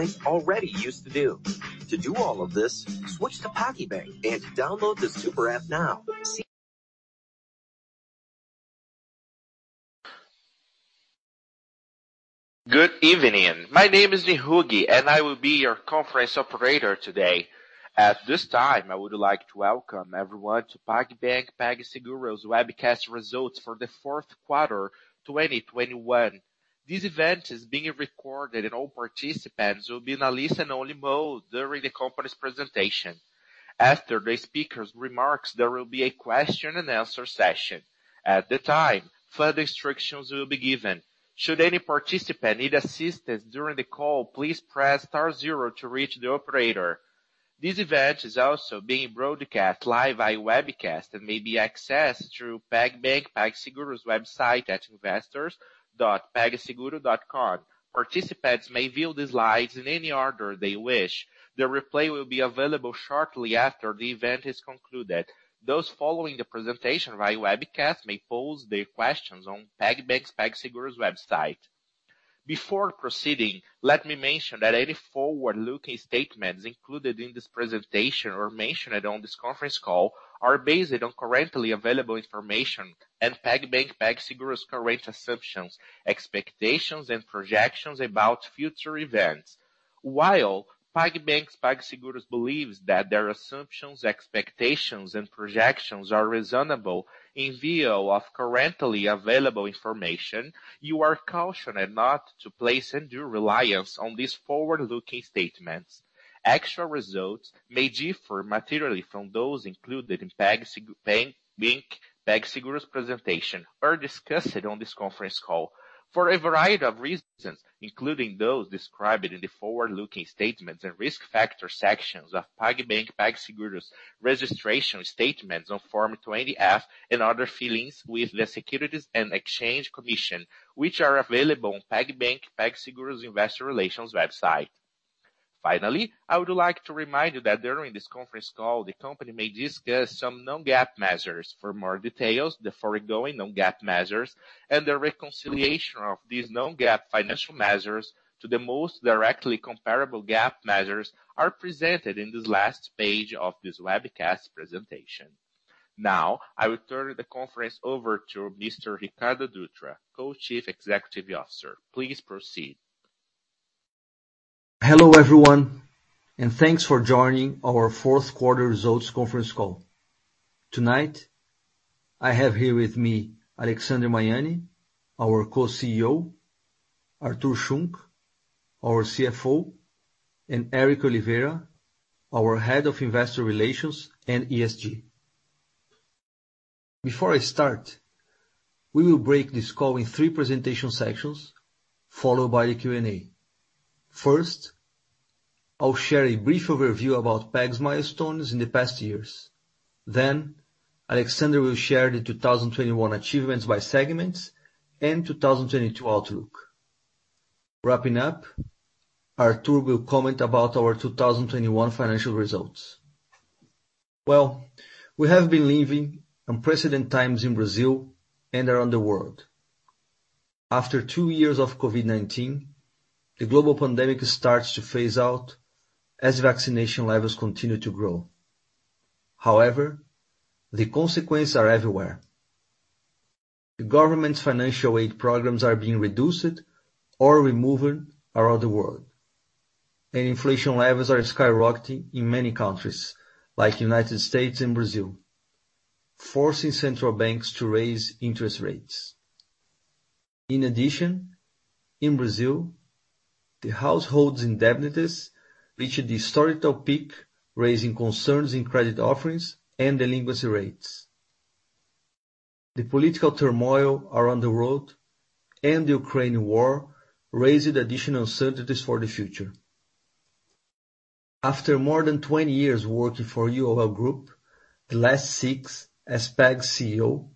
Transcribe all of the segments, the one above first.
Good evening. My name is Nihogi, and I will be your conference operator today. At this time, I would like to welcome everyone to PagBank PagSeguro's webcast results for the fourth quarter 2021. This event is being recorded and all participants will be in a listen-only mode during the company's presentation. After the speaker's remarks, there will be a question and answer session. At that time, further instructions will be given. Should any participant need assistance during the call, please press star zero to reach the operator. This event is also being broadcast live via webcast that may be accessed through PagBank PagSeguro's website at investors.pagseguro.com. Participants may view the slides in any order they wish. The replay will be available shortly after the event is concluded. Those following the presentation via webcast may pose their questions on PagBank's PagSeguro's website. Before proceeding, let me mention that any forward-looking statements included in this presentation or mentioned on this conference call are based on currently available information and PagBank PagSeguro's current assumptions, expectations, and projections about future events. While PagBank PagSeguro believes that their assumptions, expectations, and projections are reasonable in view of currently available information, you are cautioned not to place undue reliance on these forward-looking statements. Actual results may differ materially from those included in PagBank PagSeguro's presentation or discussed on this conference call for a variety of reasons, including those described in the forward-looking statements and risk factor sections of PagBank PagSeguro's registration statements on Form 20-F and other filings with the Securities and Exchange Commission, which are available on PagBank PagSeguro's investor relations website. Finally, I would like to remind you that during this conference call, the company may discuss some non-GAAP measures. For more details, the foregoing non-GAAP measures and the reconciliation of these non-GAAP financial measures to the most directly comparable GAAP measures are presented in this last page of this webcast presentation. Now, I will turn the conference over to Mr. Ricardo Dutra, Co-Chief Executive Officer. Please proceed. Hello, everyone, and thanks for joining our fourth quarter results conference call. Tonight, I have here with me Alexandre Magnani, our co-CEO, Artur Schunck, our CFO, and Éric Oliveira, our Head of Investor Relations and ESG. Before I start, we will break this call in three presentation sections followed by the Q&A. First, I'll share a brief overview about Pag's milestones in the past years. Then Alexandre will share the 2021 achievements by segments and 2022 outlook. Wrapping up, Artur will comment about our 2021 financial results. Well, we have been living unprecedented times in Brazil and around the world. After two years of COVID-19, the global pandemic starts to phase out as vaccination levels continue to grow. However, the consequences are everywhere. The government's financial aid programs are being reduced or removed around the world, and inflation levels are skyrocketing in many countries, like United States and Brazil, forcing central banks to raise interest rates. In addition, in Brazil, the households' indebtedness reached a historical peak, raising concerns in credit offerings and delinquency rates. The political turmoil around the world and the Ukraine war raised additional uncertainties for the future. After more than 20 years working for UOL Group, the last six as Pag's CEO,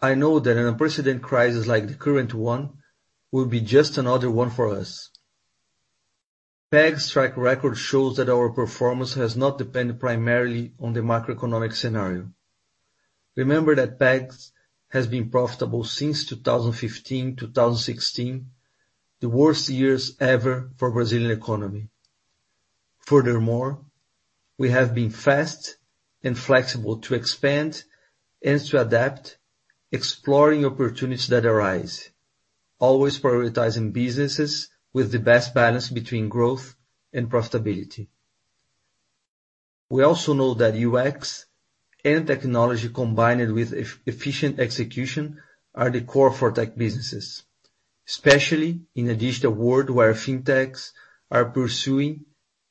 I know that an unprecedented crisis like the current one will be just another one for us. Pag's track record shows that our performance has not depended primarily on the macroeconomic scenario. Remember that Pag has been profitable since 2015, 2016, the worst years ever for Brazilian economy. Furthermore, we have been fast and flexible to expand and to adapt, exploring opportunities that arise, always prioritizing businesses with the best balance between growth and profitability. We also know that UX and technology combined with efficient execution are the core for tech businesses, especially in a digital world where fintechs are pursuing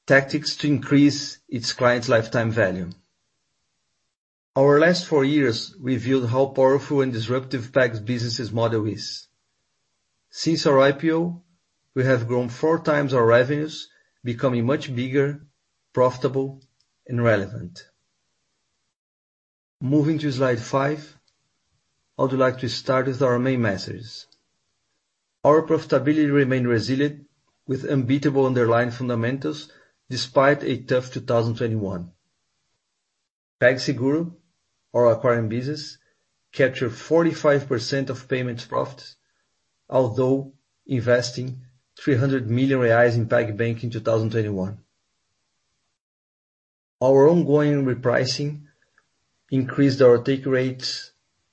tactics to increase its clients' lifetime value. Our last four years revealed how powerful and disruptive Pag's business' model is. Since our IPO, we have grown 4x our revenues, becoming much bigger, profitable, and relevant. Moving to slide five, I would like to start with our main messages. Our profitability remained resilient with unbeatable underlying fundamentals despite a tough 2021. PagSeguro, our acquiring business, captured 45% of payments profits, although investing 300 million reais in PagBank in 2021. Our ongoing repricing increased our take rates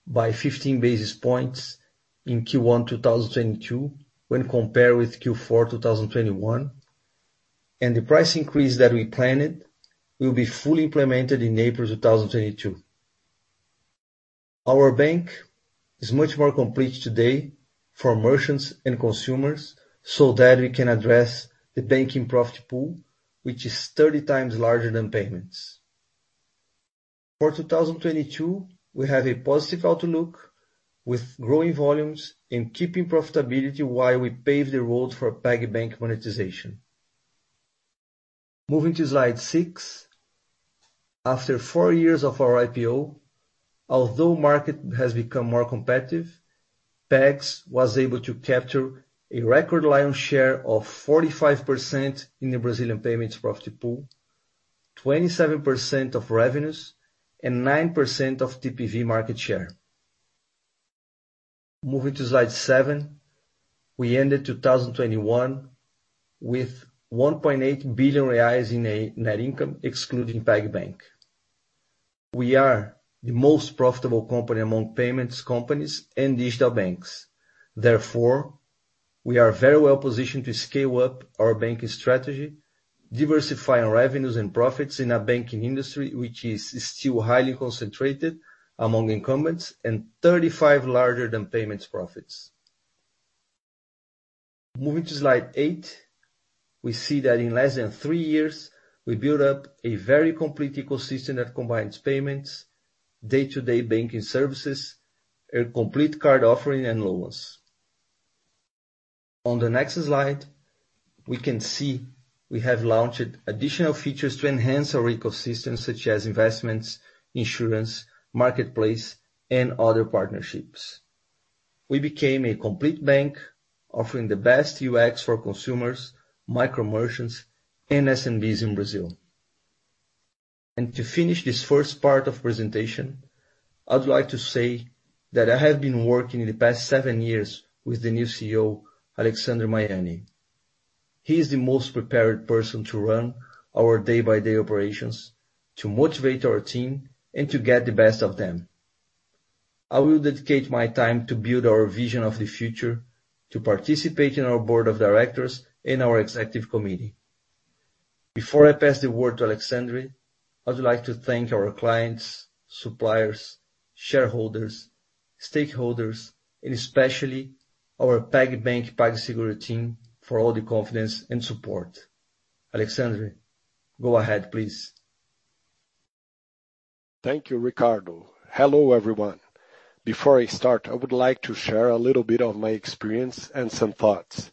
by 15 basis points in Q1 2022 when compared with Q4 2021. The price increase that we planned will be fully implemented in April 2022. Our bank is much more complete today for merchants and consumers so that we can address the banking profit pool, which is 30x larger than payments. For 2022, we have a positive outlook with growing volumes and keeping profitability while we pave the road for PagBank monetization. Moving to slide six. After four years of our IPO, although market has become more competitive, PagSeguro was able to capture a record lion's share of 45% in the Brazilian payments profit pool, 27% of revenues, and 9% of TPV market share. Moving to slide seven. We ended 2021 with 1.8 billion reais in net income excluding PagBank. We are the most profitable company among payments companies and digital banks. Therefore, we are very well positioned to scale up our banking strategy, diversifying revenues and profits in a banking industry which is still highly concentrated among incumbents and 35% larger than payments profits. Moving to slide eight. We see that in less than three years, we built up a very complete ecosystem that combines payments, day-to-day banking services, a complete card offering and loans. On the next slide, we can see we have launched additional features to enhance our ecosystem such as investments, insurance, marketplace, and other partnerships. We became a complete bank offering the best UX for consumers, micro merchants and SMBs in Brazil. To finish this first part of presentation, I'd like to say that I have been working in the past seven years with the new CEO, Alexandre Magnani. He is the most prepared person to run our day-by-day operations, to motivate our team and to get the best of them. I will dedicate my time to build our vision of the future, to participate in our board of directors and our executive committee. Before I pass the word to Alexandre, I'd like to thank our clients, suppliers, shareholders, stakeholders, and especially our PagBank, PagSeguro team for all the confidence and support. Alexandre, go ahead please. Thank you, Ricardo. Hello, everyone. Before I start, I would like to share a little bit of my experience and some thoughts.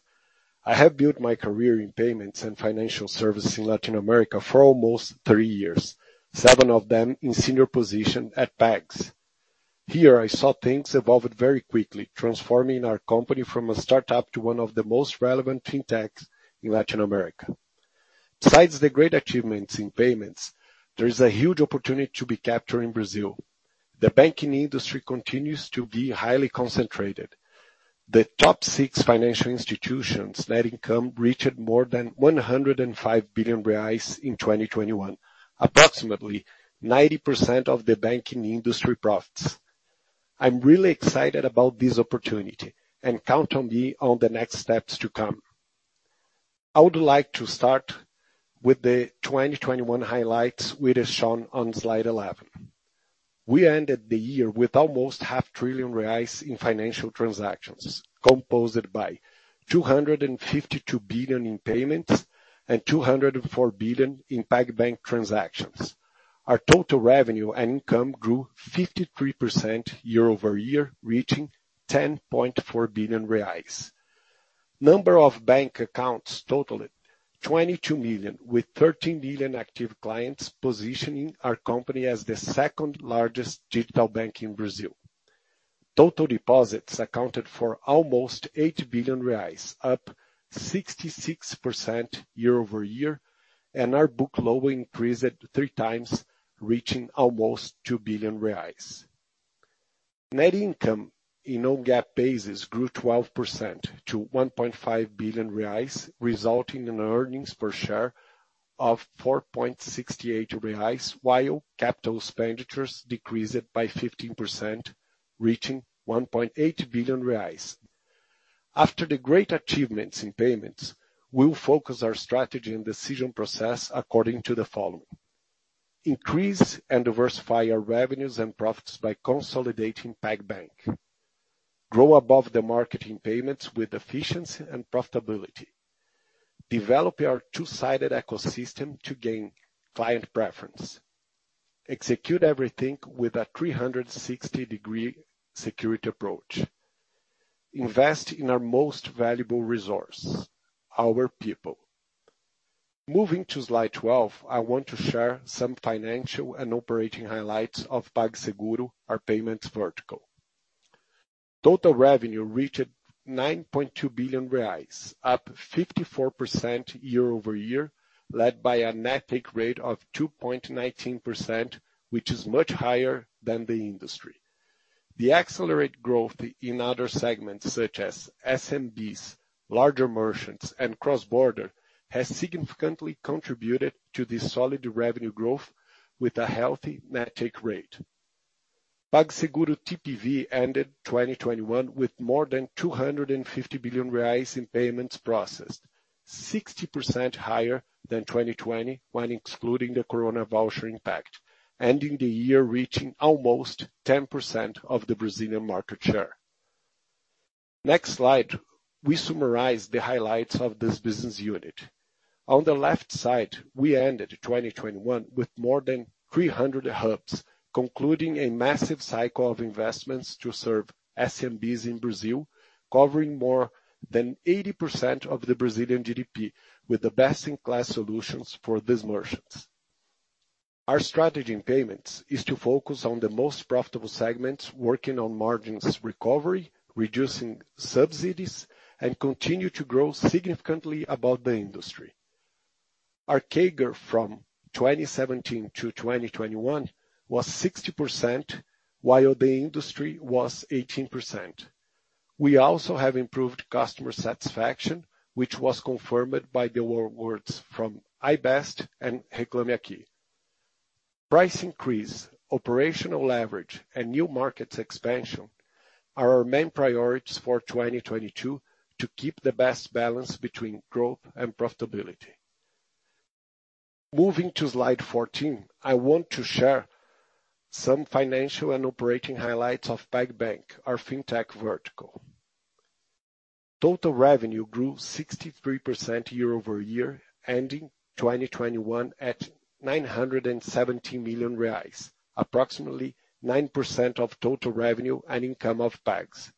I have built my career in payments and financial services in Latin America for almost 30 years, seven of them in senior position at PagSeguro. Here, I saw things evolved very quickly, transforming our company from a start-up to one of the most relevant fintechs in Latin America. Besides the great achievements in payments, there is a huge opportunity to be captured in Brazil. The banking industry continues to be highly concentrated. The top six financial institutions' net income reached more than 105 billion reais in 2021, approximately 90% of the banking industry profits. I'm really excited about this opportunity and count on me on the next steps to come. I would like to start with the 2021 highlights, which is shown on slide 11. We ended the year with almost half trillion BRL in financial transactions, composed by 252 billion in payments and 204 billion in PagBank transactions. Our total revenue and income grew 53% year-over-year, reaching 10.4 billion reais. Number of bank accounts totaled 22 million, with 13 million active clients positioning our company as the second-largest digital bank in Brazil. Total deposits accounted for almost 8 billion reais, up 66% year-over-year, and our loan book increased three times, reaching almost 2 billion reais. Net income on a non-GAAP basis grew 12% to 1.5 billion reais, resulting in earnings per share of 4.68 reais, while capital expenditures decreased by 15%, reaching 1.8 billion reais. After the great achievements in payments, we'll focus our strategy and decision process according to the following: increase and diversify our revenues and profits by consolidating PagBank, grow above the merchant payments with efficiency and profitability, develop our two-sided ecosystem to gain client preference, execute everything with a 360-degree security approach, invest in our most valuable resource, our people. Moving to slide 12, I want to share some financial and operating highlights of PagSeguro, our payments vertical. Total revenue reached 9.2 billion reais, up 54% year-over-year, led by a net take rate of 2.19%, which is much higher than the industry. The accelerated growth in other segments such as SMBs, larger merchants, and cross-border has significantly contributed to the solid revenue growth with a healthy net take rate. PagSeguro TPV ended 2021 with more than 250 billion reais in payments processed, 60% higher than 2020 when excluding the coronavoucher impact, ending the year reaching almost 10% of the Brazilian market share. Next slide, we summarize the highlights of this business unit. On the left side, we ended 2021 with more than 300 hubs, concluding a massive cycle of investments to serve SMBs in Brazil, covering more than 80% of the Brazilian GDP with the best-in-class solutions for these merchants. Our strategy in payments is to focus on the most profitable segments, working on margins recovery, reducing subsidies, and continue to grow significantly above the industry. Our CAGR from 2017 to 2021 was 60%, while the industry was 18%. We also have improved customer satisfaction, which was confirmed by the awards from iBest and Reclame Aqui. Price increase, operational leverage, and new markets expansion are our main priorities for 2022, to keep the best balance between growth and profitability. Moving to slide 14, I want to share some financial and operating highlights of PagBank, our fintech vertical. Total revenue grew 63% year-over-year, ending 2021 at 970 million reais, approximately 9% of total revenue and income of Pag's.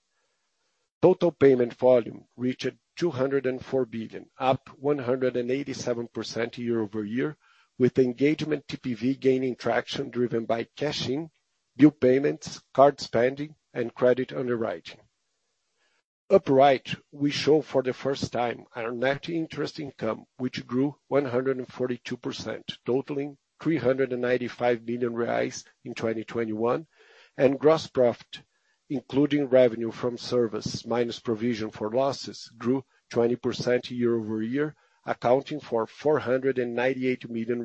Total payment volume reached 204 billion, up 187% year-over-year, with engagement TPV gaining traction driven by cash-in, bill payments, card spending, and credit underwriting. Upper right, we show for the first time our net interest income, which grew 142%, totaling 395 million reais in 2021. Gross profit, including revenue from service minus provision for losses, grew 20% year-over-year, accounting for BRL 498 million.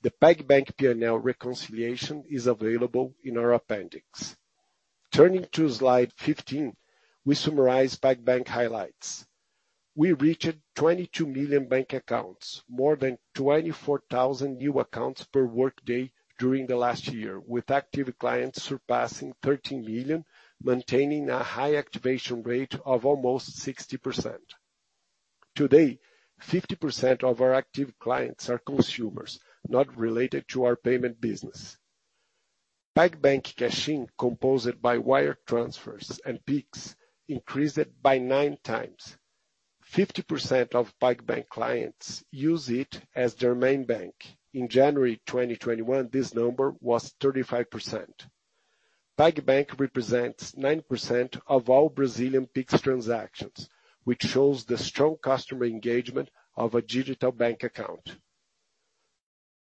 The PagBank P&L reconciliation is available in our appendix. Turning to slide 15, we summarize PagBank highlights. We reached 22 million bank accounts, more than 24,000 new accounts per workday during the last year, with active clients surpassing 13 million, maintaining a high activation rate of almost 60%. Today, 50% of our active clients are consumers, not related to our payment business. PagBank cashing, composed by wire transfers and PIX, increased by 9x. 50% of PagBank clients use it as their main bank. In January 2021, this number was 35%. PagBank represents 9% of all Brazilian PIX transactions, which shows the strong customer engagement of a digital bank account.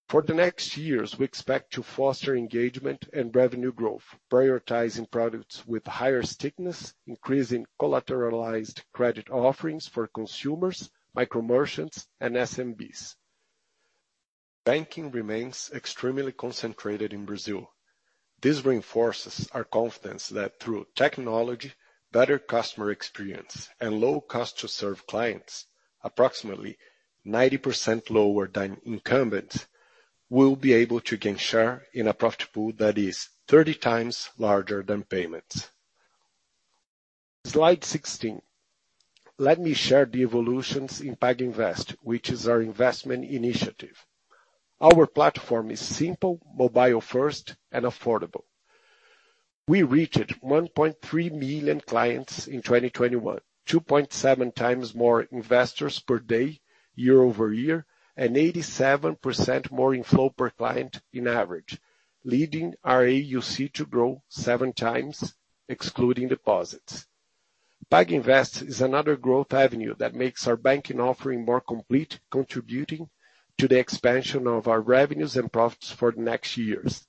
For the next years, we expect to foster engagement and revenue growth, prioritizing products with higher stickiness, increasing collateralized credit offerings for consumers, micro-merchants, and SMBs. Banking remains extremely concentrated in Brazil. This reinforces our confidence that through technology, better customer experience, and low cost to serve clients, approximately 90% lower than incumbents, we'll be able to gain share in a profit pool that is 30x larger than payments. Slide 16. Let me share the evolutions in PagInvest, which is our investment initiative. Our platform is simple, mobile first, and affordable. We reached 1.3 million clients in 2021, 2.7x more investors per day year-over-year, and 87% more inflow per client on average, leading our AUC to grow 7x excluding deposits. PagInvest is another growth avenue that makes our banking offering more complete, contributing to the expansion of our revenues and profits for next years.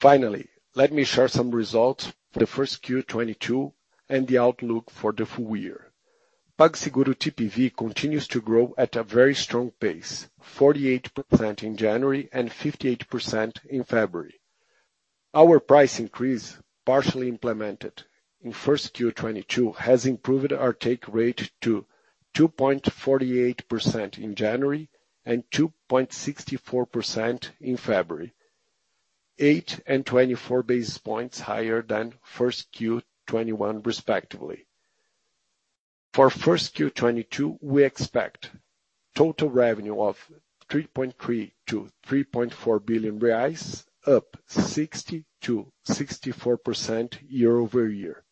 Finally, let me share some results for the first Q 2022 and the outlook for the full year. PagSeguro TPV continues to grow at a very strong pace, 48% in January and 58% in February. Our price increase, partially implemented in first quarter 2022, has improved our take rate to 2.48% in January and 2.64% in February. 8 basis points and 24 higher than first quarter 2021, respectively. For first quarter 2022, we expect total revenue of BRL 3.3 billion-BRL 3.4 billion, up 60%-64% year-over-year,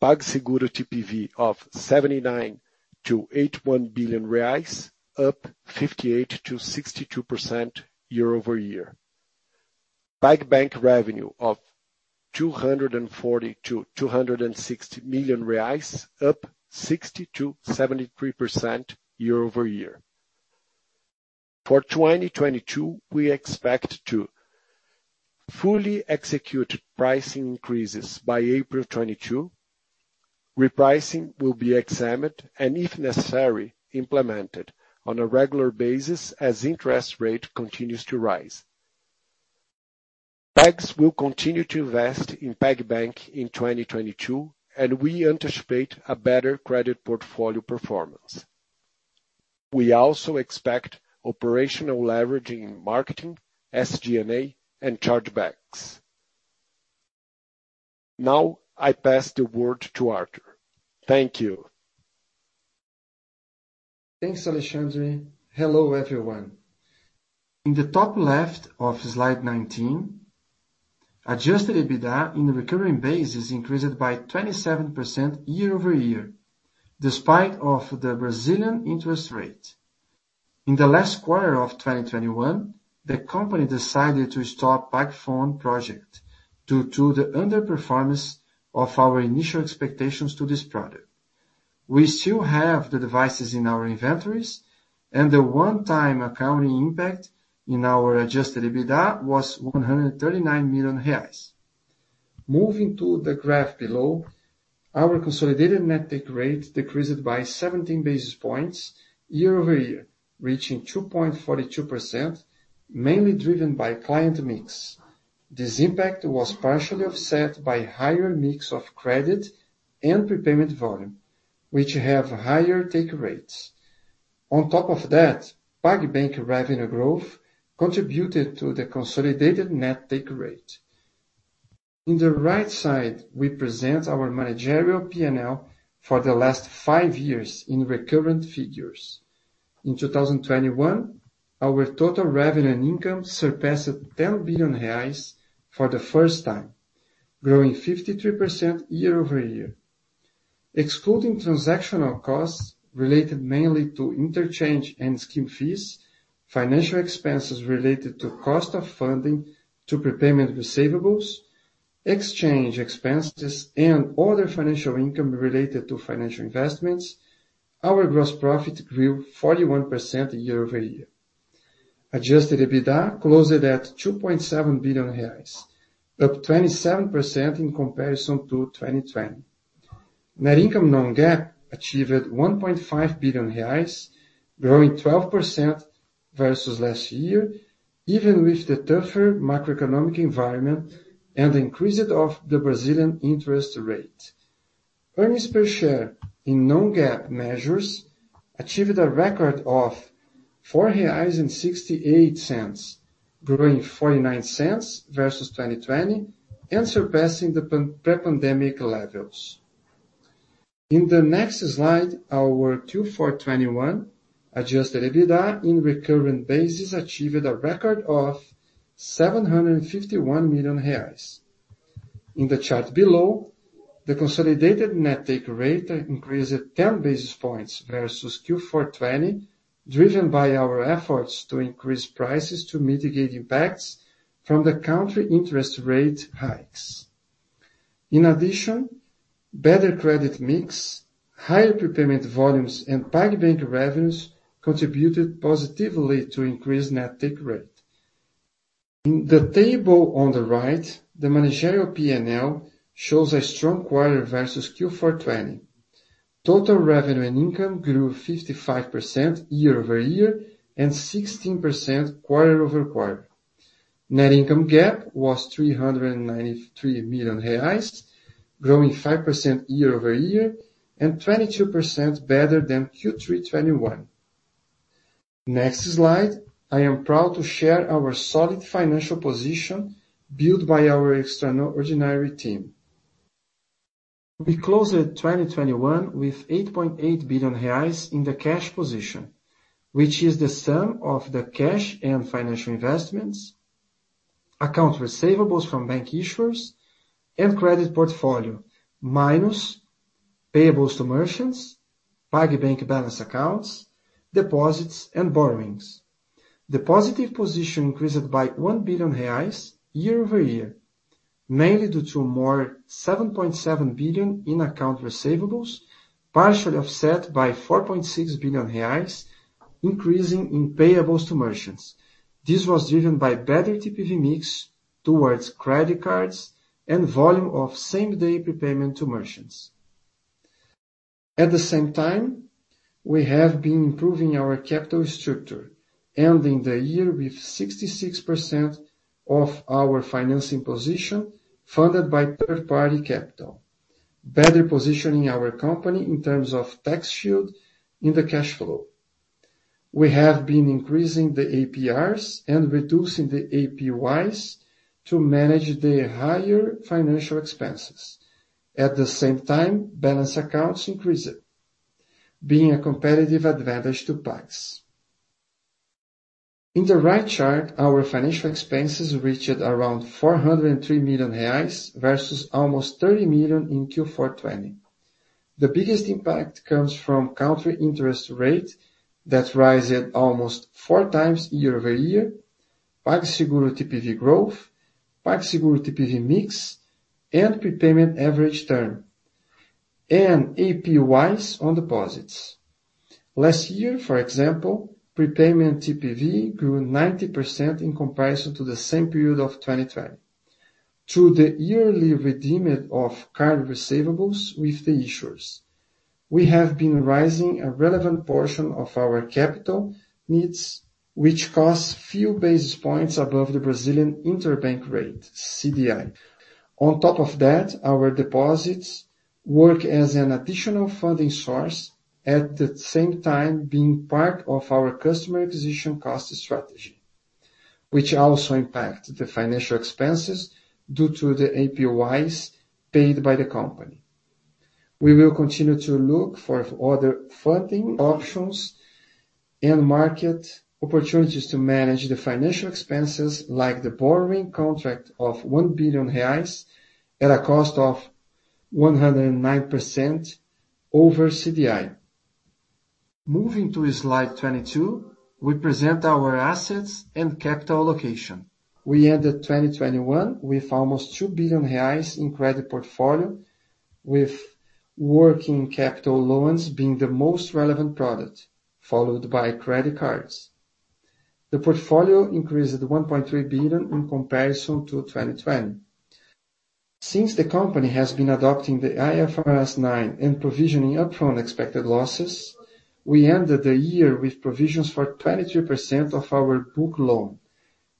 PagSeguro TPV of 79 billion-81 billion reais, up 58%-62% year-over-year, PagBank revenue of BRL 240 million-BRL 260 million, up 60%-73% year-over-year. For 2022, we expect to fully execute pricing increases by April 2022. Repricing will be examined and if necessary, implemented on a regular basis as interest rate continues to rise. Pag will continue to invest in PagBank in 2022, and we anticipate a better credit portfolio performance. We also expect operational leverage in marketing, SG&A and chargebacks. Now I pass the word to Artur. Thank you. Thanks, Alexandre. Hello, everyone. In the top left of slide 19, Adjusted EBITDA in recurring basis increased by 27% year-over-year, despite of the Brazilian interest rate. In the last quarter of 2021, the company decided to stop PagPhone project due to the underperformance of our initial expectations to this product. We still have the devices in our inventories, and the one time accounting impact in our Adjusted EBITDA was 139 million reais. Moving to the graph below, our consolidated net take rate decreased by 17 basis points year-over-year, reaching 2.42%, mainly driven by client mix. This impact was partially offset by higher mix of credit and prepayment volume, which have higher take rates. On top of that, PagBank revenue growth contributed to the consolidated net take rate. In the right side, we present our managerial P&L for the last five years in recurrent figures. In 2021, our total revenue and income surpassed 10 billion reais for the first time, growing 53% year-over-year. Excluding transactional costs related mainly to interchange and scheme fees, financial expenses related to cost of funding to prepayment receivables, exchange expenses and other financial income related to financial investments, our gross profit grew 41% year-over-year. Adjusted EBITDA closed at 2.7 billion reais, up 27% in comparison to 2020. Net income non-GAAP achieved 1.5 billion reais, growing 12% versus last year even with the tougher macroeconomic environment and the increase of the Brazilian interest rate. Earnings per share in non-GAAP measures achieved a record of 4.68 reais, growing 0.49 versus 2020 and surpassing the pre-pandemic levels. In the next slide, our Q4 2021 Adjusted EBITDA in recurring basis achieved a record of 751 million reais. In the chart below, the consolidated net take rate increased 10 basis points versus Q4 2020, driven by our efforts to increase prices to mitigate impacts from the country interest rate hikes. In addition, better credit mix, higher prepayment volumes and PagBank revenues contributed positively to increase net take rate. In the table on the right, the managerial P&L shows a strong quarter versus Q4 2020. Total revenue and income grew 55% year-over-year and 16% quarter-over-quarter. Net income GAAP was 393 million reais, growing 5% year-over-year and 22% better than Q3 2021. Next slide, I am proud to share our solid financial position built by our extraordinary team. We closed 2021 with 8.8 billion reais in the cash position, which is the sum of the cash and financial investments, accounts receivable from bank issuers and credit portfolio, minus payables to merchants, PagBank balance accounts, deposits and borrowings. The positive position increased by 1 billion reais year-over-year, mainly due to more 7.7 billion in accounts receivable, partially offset by 4.6 billion reais increasing in payables to merchants. This was driven by better TPV mix towards credit cards and volume of same-day prepayment to merchants. At the same time, we have been improving our capital structure, ending the year with 66% of our financing position funded by third-party capital, better positioning our company in terms of tax shield in the cash flow. We have been increasing the APRs and reducing the APYs to manage the higher financial expenses. At the same time, balance accounts increased, being a competitive advantage to Pag's. In the right chart, our financial expenses reached around 403 million reais versus almost 30 million in Q4 2020. The biggest impact comes from country interest rate that rises almost 4x year-over-year. PagSeguro TPV growth, PagSeguro TPV mix, and prepayment average term, and APYs on deposits. Last year, for example, prepayment TPV grew 90% in comparison to the same period of 2020. Through the early redemption of card receivables with the issuers, we have been raising a relevant portion of our capital needs, which cost a few basis points above the Brazilian Interbank Rate, CDI. On top of that, our deposits work as an additional funding source at the same time being part of our customer acquisition cost strategy, which also impact the financial expenses due to the APYs paid by the company. We will continue to look for other funding options and market opportunities to manage the financial expenses like the borrowing contract of 1 billion reais at a cost of 109% over CDI. Moving to slide 22, we present our assets and capital allocation. We ended 2021 with almost 2 billion reais in credit portfolio, with working capital loans being the most relevant product, followed by credit cards. The portfolio increased 1.3 billion in comparison to 2020. Since the company has been adopting the IFRS 9 and provisioning upfront expected losses, we ended the year with provisions for 22% of our loan book,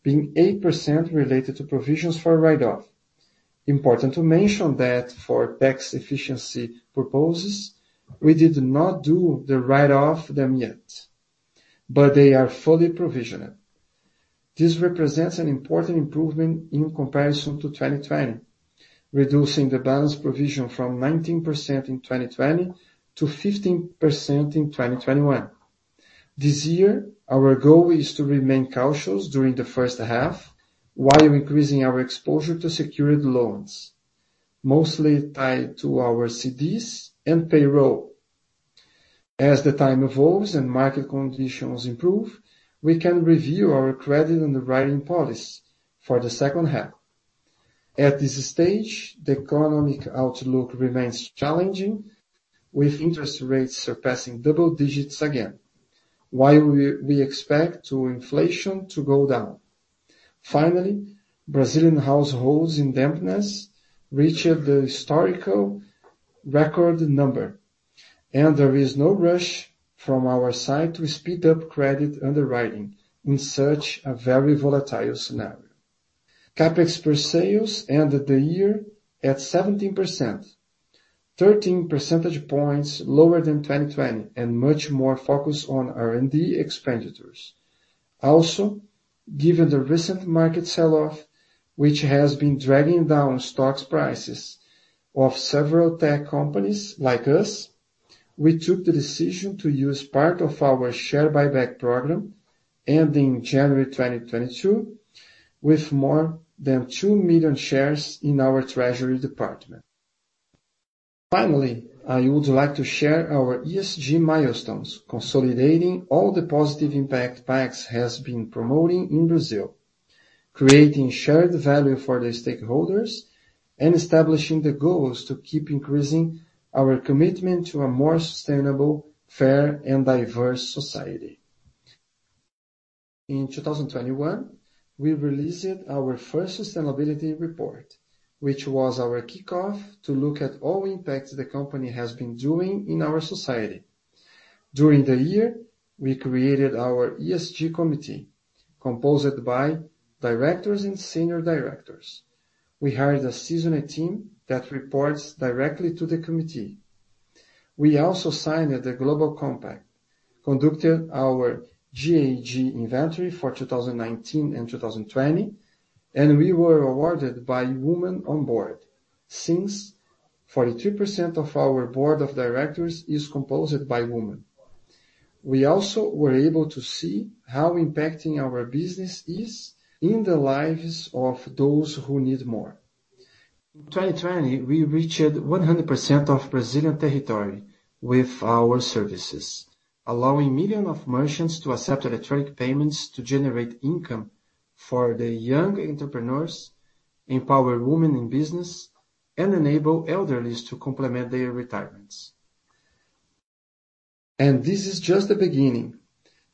being 8% related to provisions for write-off. Important to mention that for tax efficiency purposes, we did not do the write-offs yet, but they are fully provisioned. This represents an important improvement in comparison to 2020, reducing the balance provision from 19% in 2020 to 15% in 2021. This year, our goal is to remain cautious during the first half while increasing our exposure to secured loans, mostly tied to our CDI and payroll. As the time evolves and market conditions improve, we can review our credit and the underwriting policy for the second half. At this stage, the economic outlook remains challenging with interest rates surpassing double digits again while we expect the inflation to go down. Brazilian households' indebtedness reached the historical record number, and there is no rush from our side to speed up credit underwriting in such a very volatile scenario. CapEx per sales ended the year at 17%, 13 percentage points lower than 2020 and much more focused on R&D expenditures. Given the recent market sell-off, which has been dragging down stock prices of several tech companies like us, we took the decision to use part of our share buyback program ending January 2022 with more than 2 million shares in our treasury department. Finally, I would like to share our ESG milestones, consolidating all the positive impact PagBank has been promoting in Brazil, creating shared value for the stakeholders, and establishing the goals to keep increasing our commitment to a more sustainable, fair and diverse society. In 2021, we released our first sustainability report, which was our kickoff to look at all impacts the company has been doing in our society. During the year, we created our ESG committee composed by directors and senior directors. We hired a seasoned team that reports directly to the committee. We also signed the Global Compact, conducted our GHG inventory for 2019 and 2020, and we were awarded by Women on Board since 42% of our board of directors is composed by women. We also were able to see how impacting our business is in the lives of those who need more. In 2020, we reached 100% of Brazilian territory with our services, allowing millions of merchants to accept electronic payments to generate income for the young entrepreneurs, empower women in business, and enable elderly to complement their retirements. This is just the beginning.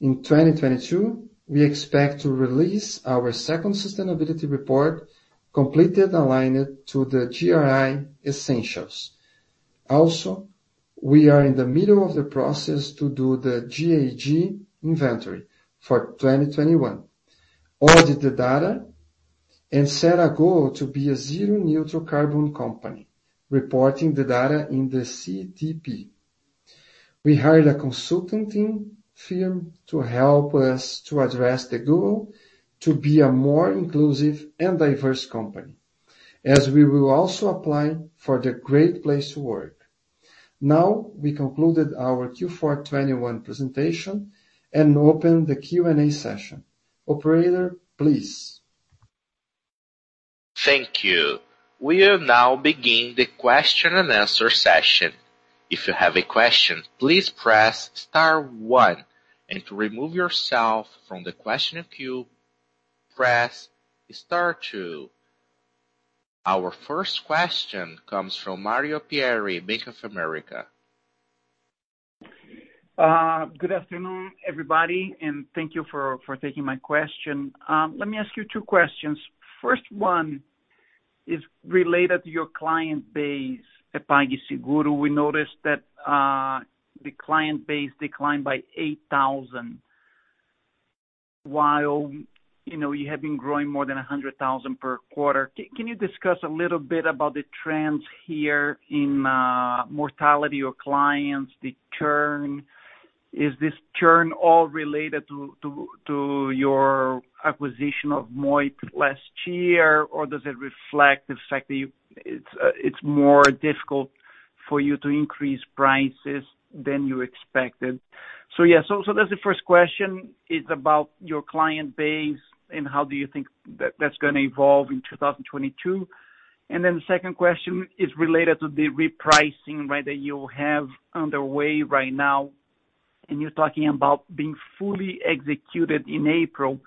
In 2022, we expect to release our second sustainability report completely aligned to the GRI Essentials. We are in the middle of the process to do the GHG inventory for 2021, audit the data, and set a goal to be a zero neutral carbon company, reporting the data in the CDP. We hired a consulting firm to help us to address the goal to be a more inclusive and diverse company, as we will also apply for the Great Place to Work. Now we concluded our Q4 2021 presentation and open the Q&A session. Operator, please. Thank you. We'll now begin the question and answer session. If you have a question, please press star one, and to remove yourself from the question queue, press star two. Our first question comes from Mario Pierry, Bank of America. Good afternoon, everybody, and thank you for taking my question. Let me ask you two questions. First one is related to your client base at PagSeguro. We noticed that the client base declined by 8,000 while, you know, you have been growing more than 100,000 per quarter. Can you discuss a little bit about the trends here in mortality of clients, the churn? Is this churn all related to your acquisition of Moip last year, or does it reflect the fact that it's more difficult for you to increase prices than you expected? Yeah, that's the first question, is about your client base and how do you think that's gonna evolve in 2022. The second question is related to the repricing, right, that you have underway right now, and you're talking about being fully executed in April.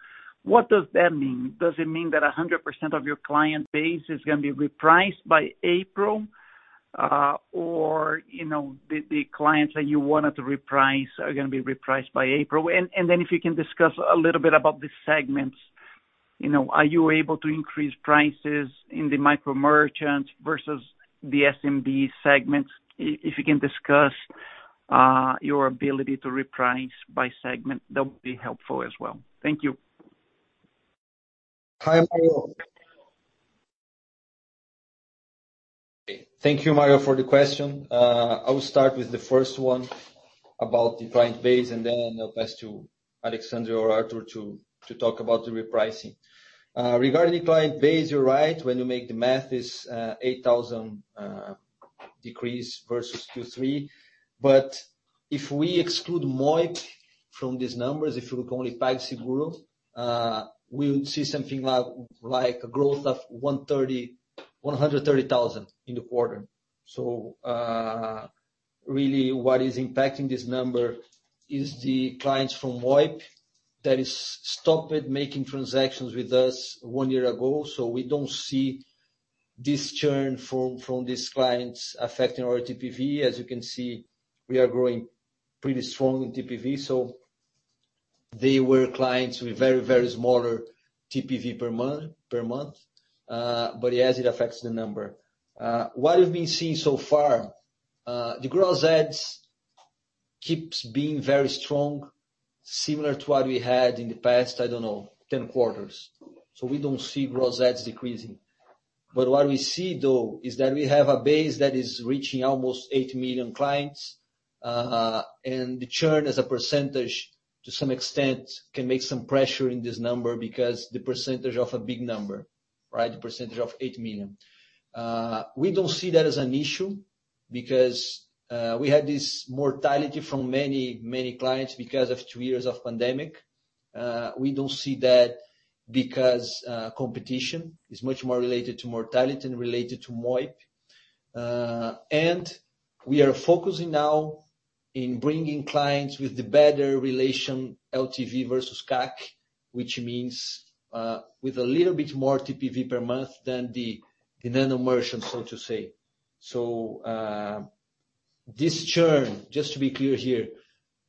What does that mean? Does it mean that 100% of your client base is gonna be repriced by April, or you know, the clients that you wanted to reprice are gonna be repriced by April? If you can discuss a little bit about the segments. You know, are you able to increase prices in the micro merchants versus the SMB segments? If you can discuss your ability to reprice by segment, that would be helpful as well. Thank you. Hi, Mario. Thank you, Mario, for the question. I will start with the first one about the client base and then I'll pass to Alexandre or Arthur to talk about the repricing. Regarding the client base, you're right. When you make the math, it's 8,000 decrease versus Q3. If we exclude Moip from these numbers, if you look only PagSeguro, we would see something like a growth of 130,000 in the quarter. Really what is impacting this number is the clients from Moip that has stopped making transactions with us one year ago. We don't see this churn from these clients affecting our TPV. As you can see, we are growing pretty strong in TPV. They were clients with very smaller TPV per month. Yes, it affects the number. What we've been seeing so far, the gross adds keeps being very strong, similar to what we had in the past, I don't know, 10 quarters. We don't see gross adds decreasing. What we see, though, is that we have a base that is reaching almost 8 million clients. The churn as a percentage, to some extent, can make some pressure in this number because the percentage of a big number, right? The percentage of 8 million. We don't see that as an issue because we had this mortality from many, many clients because of two years of pandemic. We don't see that because competition is much more related to mortality than related to Moip. We are focusing now in bringing clients with the better relation LTV versus CAC, which means, with a little bit more TPV per month than the nano merchant, so to say. This churn, just to be clear here,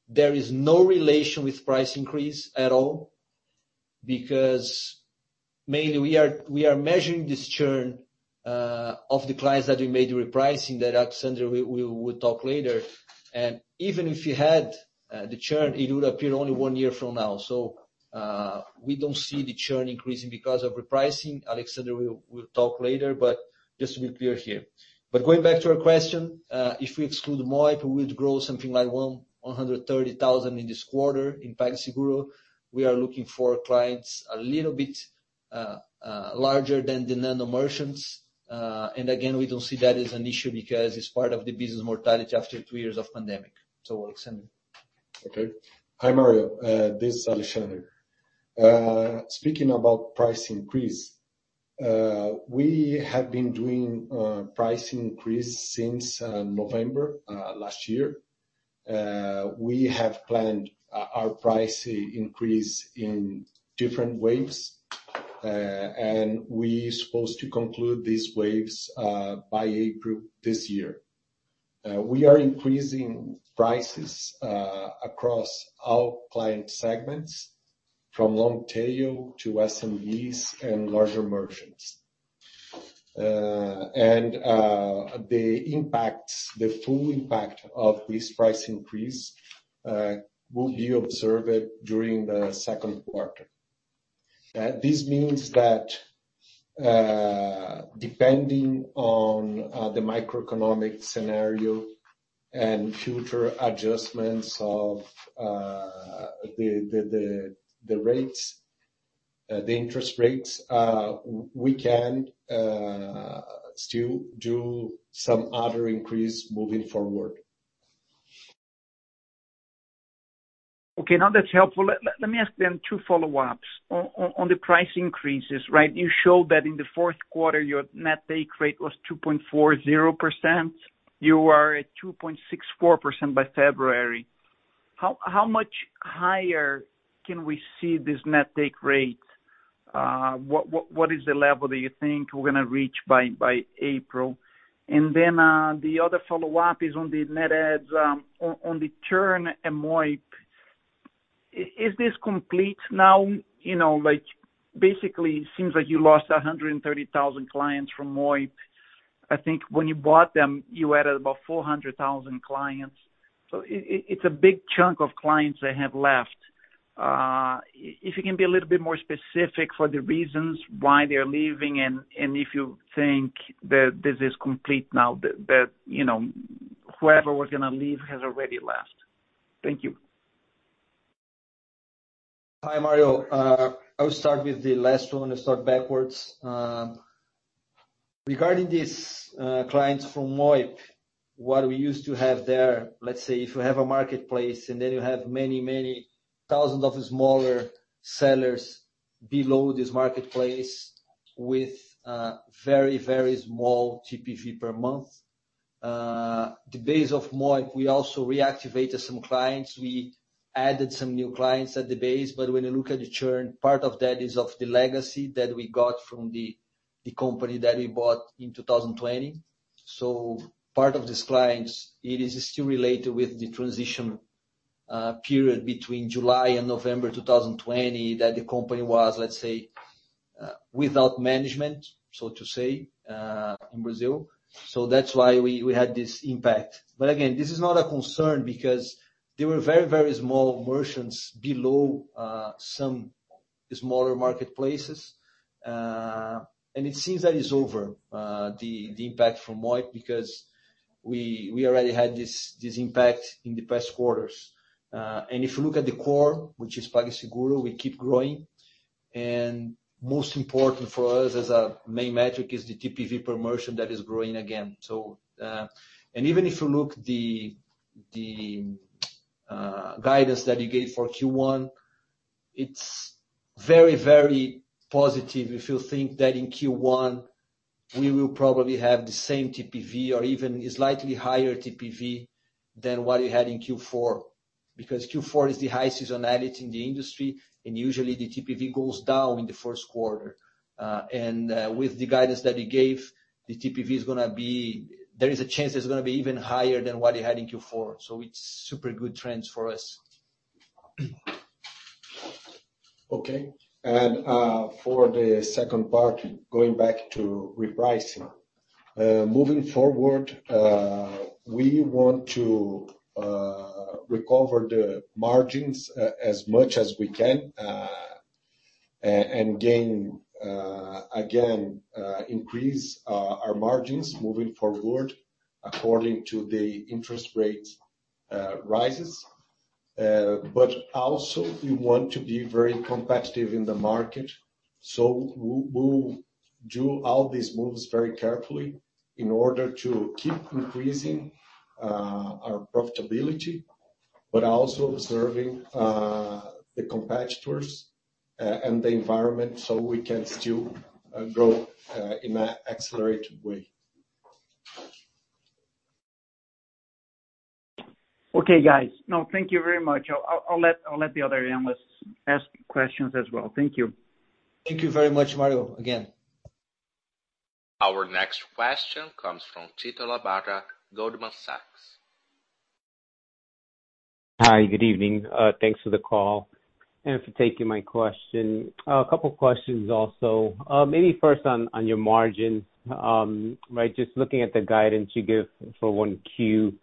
there is no relation with price increase at all because mainly we are measuring this churn of the clients that we made repricing that Alexandre will talk later. Even if you had the churn, it would appear only one year from now. We don't see the churn increasing because of repricing. Alexandre will talk later, but just to be clear here. Going back to our question, if we exclude Moip, we would grow something like 130,000 in this quarter in PagSeguro. We are looking for clients a little bit larger than the nano merchants. Again, we don't see that as an issue because it's part of the business maturity after two years of pandemic. Alexandre. Okay. Hi, Mario. This is Alexandre. Speaking about price increase, we have been doing price increase since November last year. We have planned our price increase in different waves, and we supposed to conclude these waves by April this year. We are increasing prices across all client segments, from long tail to SMBs and larger merchants. The impact, the full impact of this price increase, will be observed during the second quarter. This means that, depending on the microeconomic scenario and future adjustments of the rates. The interest rates, we can still do some other increase moving forward. Okay. Now that's helpful. Let me ask then two follow-ups. On the price increases, right? You showed that in the fourth quarter, your net take rate was 2.40%. You are at 2.64% by February. How much higher can we see this net take rate? What is the level that you think we're gonna reach by April? And then the other follow-up is on the net adds, on the churn and Moip. Is this complete now? You know, like basically it seems like you lost 130,000 clients from Moip. I think when you bought them, you added about 400,000 clients. So it's a big chunk of clients that have left. If you can be a little bit more specific for the reasons why they're leaving and if you think that this is complete now, that you know, whoever was gonna leave has already left. Thank you. Hi, Mario. I'll start with the last one and start backwards. Regarding these clients from Moip, what we used to have there, let's say if you have a marketplace and then you have many, many thousands of smaller sellers below this marketplace with very, very small TPV per month. The base of Moip, we also reactivated some clients. We added some new clients at the base. But when you look at the churn, part of that is of the legacy that we got from the company that we bought in 2020. So part of these clients, it is still related with the transition period between July and November 2020, that the company was, let's say, without management, so to say, in Brazil. That's why we had this impact. Again, this is not a concern because they were very, very small merchants below some smaller marketplaces. It seems that it's over the impact from Moip, because we already had this impact in the past quarters. If you look at the core, which is PagSeguro, we keep growing. Most important for us as a main metric is the TPV per merchant that is growing again. Even if you look at the guidance that you gave for Q1, it's very, very positive. If you think that in Q1 we will probably have the same TPV or even a slightly higher TPV than what you had in Q4, because Q4 is the high seasonality in the industry and usually the TPV goes down in the first quarter. With the guidance that you gave, there is a chance it's gonna be even higher than what you had in Q4. It's super good trends for us. Okay. For the second part, going back to repricing. Moving forward, we want to recover the margins as much as we can and increase our margins moving forward according to the interest rate rises. Also we want to be very competitive in the market. We'll do all these moves very carefully in order to keep increasing our profitability, but also observing the competitors and the environment, so we can still grow in an accelerated way. Okay, guys. No, thank you very much. I'll let the other analysts ask questions as well. Thank you. Thank you very much, Mario, again. Our next question comes from Tito Labarta, Goldman Sachs. Hi, good evening. Thanks for the call and for taking my question. A couple of questions also. Maybe first on your margins. Right, just looking at the guidance you give for 1Q,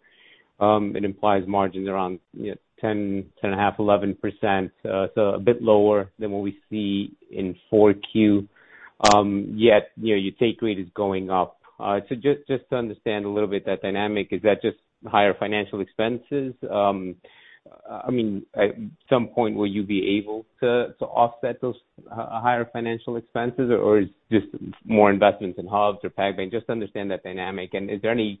it implies margins around, you know, 10.5, 11%. So a bit lower than what we see in 4Q. Yet, you know, your take rate is going up. So just to understand a little bit that dynamic, is that just higher financial expenses? I mean, at some point, will you be able to offset those higher financial expenses? Or is this more investments in hubs or PagBank? Just to understand that dynamic. Is there any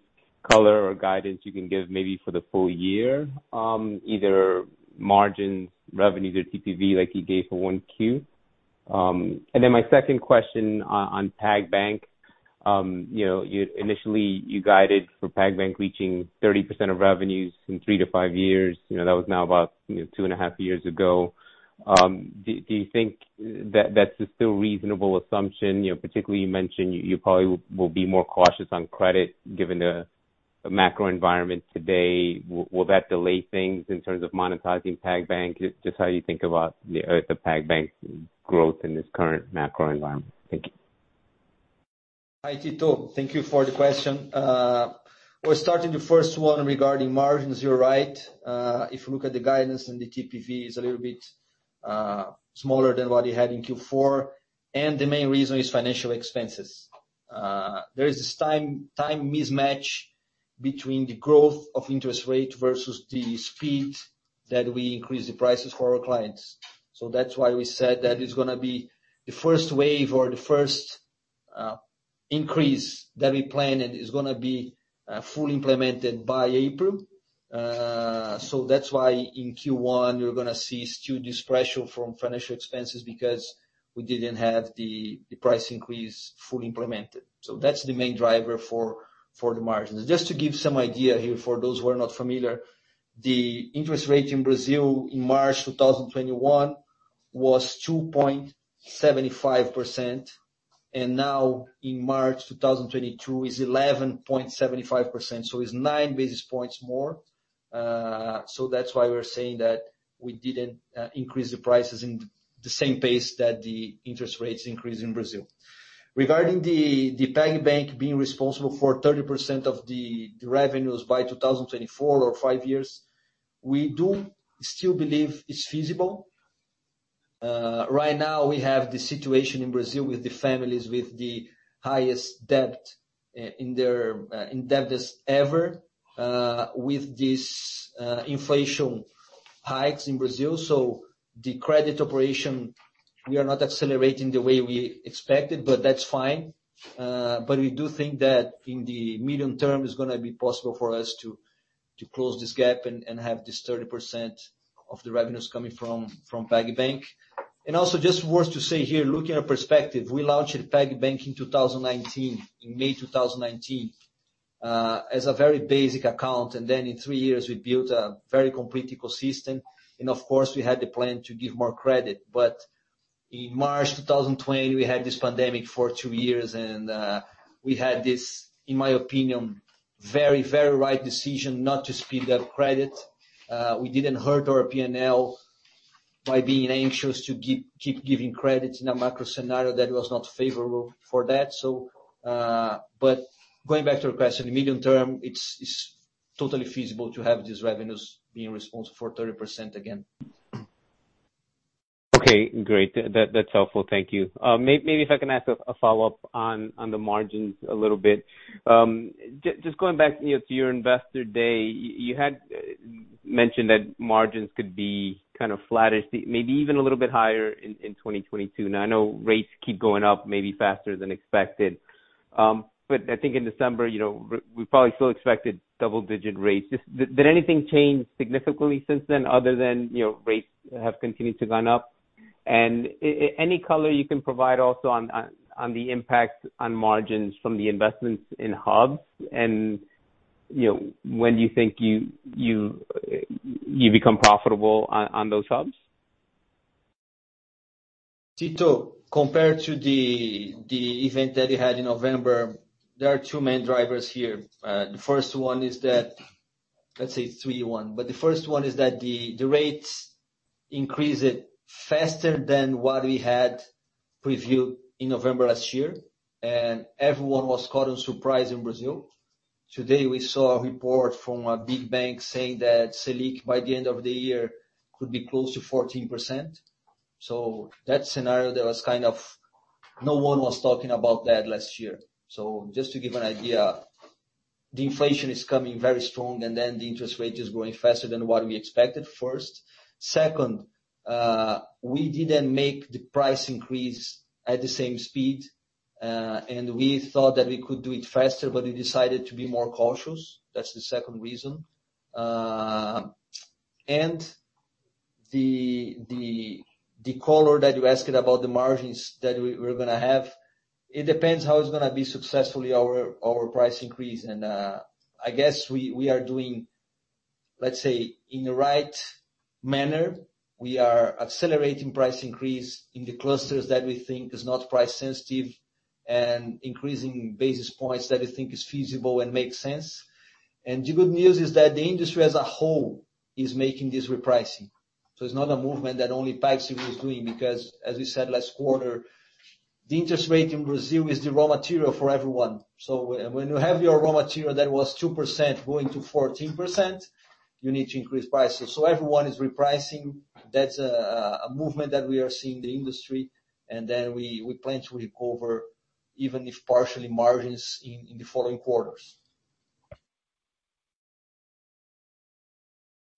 color or guidance you can give maybe for the full year, either margins, revenues or TPV like you gave for 1Q? My second question on PagBank, you know, you initially guided for PagBank reaching 30% of revenues in three to five years. You know, that was now about two and a half years ago. Do you think that that's still a reasonable assumption? You know, particularly you mentioned you probably will be more cautious on credit given the macro environment today. Will that delay things in terms of monetizing PagBank? Just how you think about the PagBank growth in this current macro environment. Thank you. Hi, Tito Labarta. Thank you for the question. We're starting the first one regarding margins. You're right. If you look at the guidance and the TPV is a little bit smaller than what you had in Q4, and the main reason is financial expenses. There is this time mismatch between the growth of interest rate versus the speed that we increase the prices for our clients. That's why we said that it's gonna be the first wave or the first increase that we planned, and it's gonna be fully implemented by April. That's why in Q1 you're gonna see still this pressure from financial expenses because we didn't have the price increase fully implemented. That's the main driver for the margins. Just to give some idea here for those who are not familiar, the interest rate in Brazil in March 2021 was 2.75%, and now in March 2022 is 11.75%, so it's 9 basis points more. That's why we're saying that we didn't increase the prices in the same pace that the interest rates increased in Brazil. Regarding PagBank being responsible for 30% of the revenues by 2024 or five years, we do still believe it's feasible. Right now we have the situation in Brazil with the families with the highest debt in debt as ever with this inflation hikes in Brazil. The credit operation, we are not accelerating the way we expected, but that's fine. we do think that in the medium term, it's gonna be possible for us to close this gap and have this 30% of the revenues coming from PagBank. also just worth to say here, looking at perspective, we launched PagBank in 2019, in May 2019, as a very basic account, and then in three years we built a very complete ecosystem, and of course we had the plan to give more credit. in March 2020, we had this pandemic for two years and we had this, in my opinion, very right decision not to speed up credit. we didn't hurt our P&L by being anxious to keep giving credits in a macro scenario that was not favorable for that. Going back to your question, in the medium term, it's totally feasible to have these revenues being responsible for 30% again. Okay, great. That's helpful. Thank you. Maybe if I can ask a follow-up on the margins a little bit. Just going back, you know, to your investor day, you had mentioned that margins could be kind of flattish, maybe even a little bit higher in 2022. Now I know rates keep going up maybe faster than expected. But I think in December, you know, we probably still expected double digit rates. Just, did anything change significantly since then other than, you know, rates have continued to go up? And any color you can provide also on the impact on margins from the investments in hubs and, you know, when you think you become profitable on those hubs? Tito, compared to the event that we had in November, there are two main drivers here. The first one is that the rates increased faster than what we had projected in November last year, and everyone was caught by surprise in Brazil. Today we saw a report from a big bank saying that Selic, by the end of the year, could be close to 14%. That scenario no one was talking about last year. Just to give an idea, the inflation is coming very strong, and then the interest rate is growing faster than what we expected at first. Second, we didn't make the price increase at the same speed, and we thought that we could do it faster, but we decided to be more cautious. That's the second reason. The color that you asked about the margins that we're gonna have, it depends how it's gonna be successfully our price increase. I guess we are doing, let's say in the right manner, we are accelerating price increase in the clusters that we think is not price sensitive and increasing basis points that we think is feasible and makes sense. The good news is that the industry as a whole is making this repricing. It's not a movement that only PagSeguro is doing because as we said last quarter, the interest rate in Brazil is the raw material for everyone. When you have your raw material that was 2% going to 14%, you need to increase prices. Everyone is repricing. That's a movement that we are seeing in the industry, and then we plan to recover, even if partially margins in the following quarters.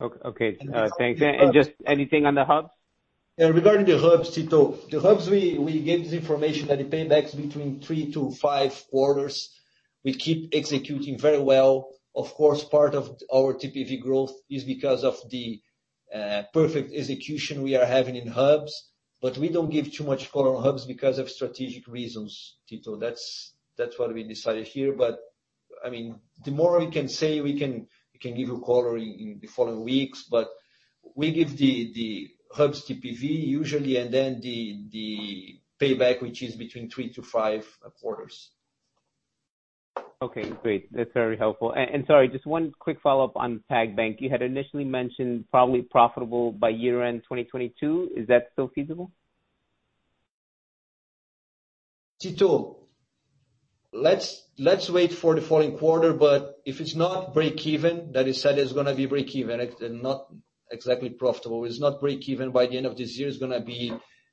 Okay. Thanks. Just anything on the hubs? Yeah, regarding the hubs, Tito. The hubs we gave the information that the payback is between three to five quarters. We keep executing very well. Of course, part of our TPV growth is because of the perfect execution we are having in hubs, but we don't give too much color on hubs because of strategic reasons, Tito. That's what we decided here. I mean, the more we can say we can give you color in the following weeks, but we give the hubs TPV usually and then the payback which is between three to five quarters. Okay, great. That's very helpful. Sorry, just one quick follow-up on PagBank. You had initially mentioned probably profitable by year-end 2022. Is that still feasible? Tito Labarta, let's wait for the following quarter, but if it's not breakeven, that is said it's gonna be breakeven, if they're not. Exactly profitable. It's not breakeven by the end of this year, it's gonna be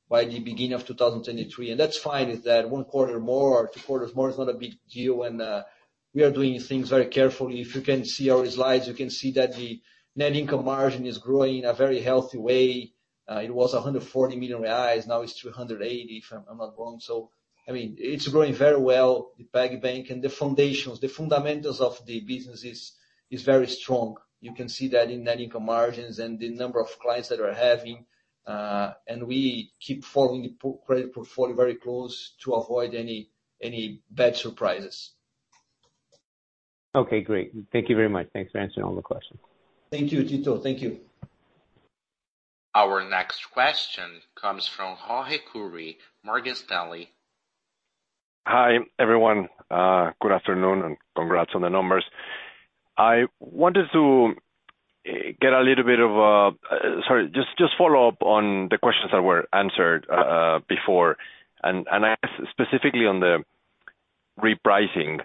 by the beginning of 2023, and that's fine. Is that one quarter more or two quarters more is not a big deal, and we are doing things very carefully. If you can see our slides, you can see that the net income margin is growing in a very healthy way. It was 140 million reais, now it's 280 million, if I'm not wrong. I mean, it's growing very well, the PagBank and the fundamentals. The fundamentals of the business is very strong. You can see that in net income margins and the number of clients that are having, and we keep following the credit portfolio very close to avoid any bad surprises. Okay, great. Thank you very much. Thanks for answering all the questions. Thank you, Tito. Thank you. Our next question comes from Jorge Kuri, Morgan Stanley. Hi, everyone. Good afternoon and congrats on the numbers. I wanted to just follow up on the questions that were answered before. I ask specifically on the repricing,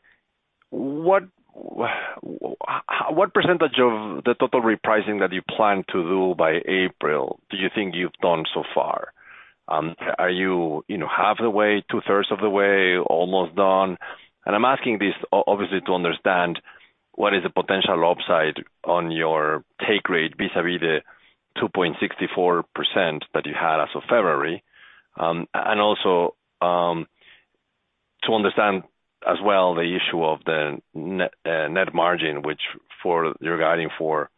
what percentage of the total repricing that you plan to do by April do you think you've done so far? Are you know, half the way, 2/3 of the way, almost done? I'm asking this obviously to understand what is the potential upside on your take rate vis-à-vis the 2.64% that you had as of February. And also to understand as well the issue of the net net margin, which you're guiding for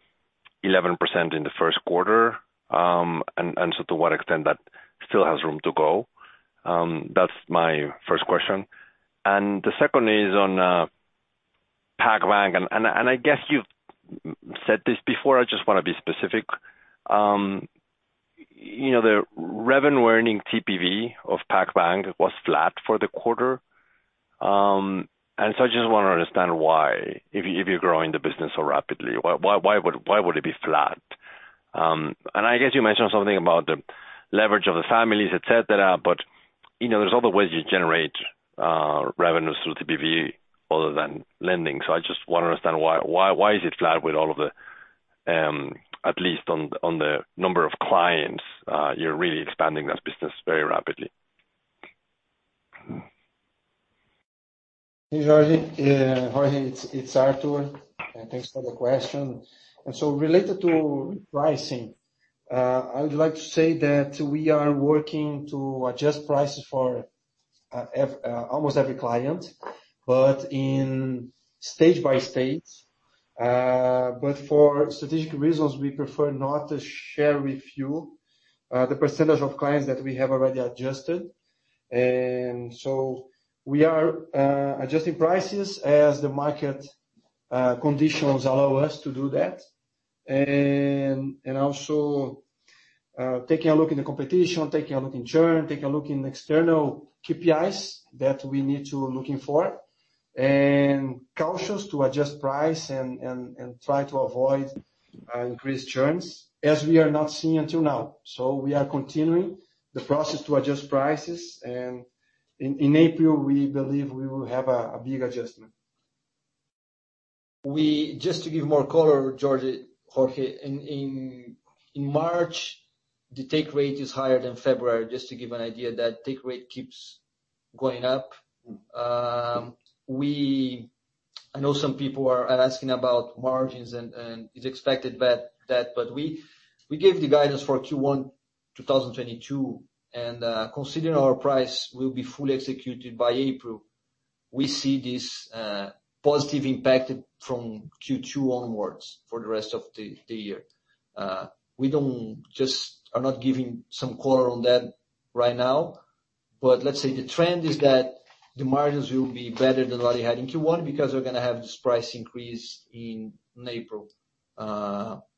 11% in the first quarter, so to what extent that still has room to go. That's my first question. The second is on PagBank. I guess you've said this before, I just wanna be specific. You know, the revenue earning TPV of PagBank was flat for the quarter. I just wanna understand why, if you're growing the business so rapidly, why would it be flat? I guess you mentioned something about the leverage of the families, et cetera, but you know, there's other ways you generate revenues through TPV other than lending. I just wanna understand why it is flat with all of the, at least on the number of clients, you're really expanding that business very rapidly. Hey, Jorge, it's Artur. Thanks for the question. Related to pricing, I would like to say that we are working to adjust prices for almost every client, but state by state. For strategic reasons, we prefer not to share with you the percentage of clients that we have already adjusted. We are adjusting prices as the market conditions allow us to do that. Also, taking a look at the competition, taking a look at churn, taking a look at external KPIs that we need to look for. We are cautious to adjust price and try to avoid increased churns, as we are not seeing until now. We are continuing the process to adjust prices. In April, we believe we will have a big adjustment. Just to give more color, Jorge. In March, the take rate is higher than February, just to give an idea that take rate keeps going up. I know some people are asking about margins and it's expected that but we gave the guidance for Q1 2022, and considering our price will be fully executed by April, we see this positive impact from Q2 onwards for the rest of the year. We are not giving some color on that right now, but let's say the trend is that the margins will be better than what we had in Q1 because we're gonna have this price increase in April.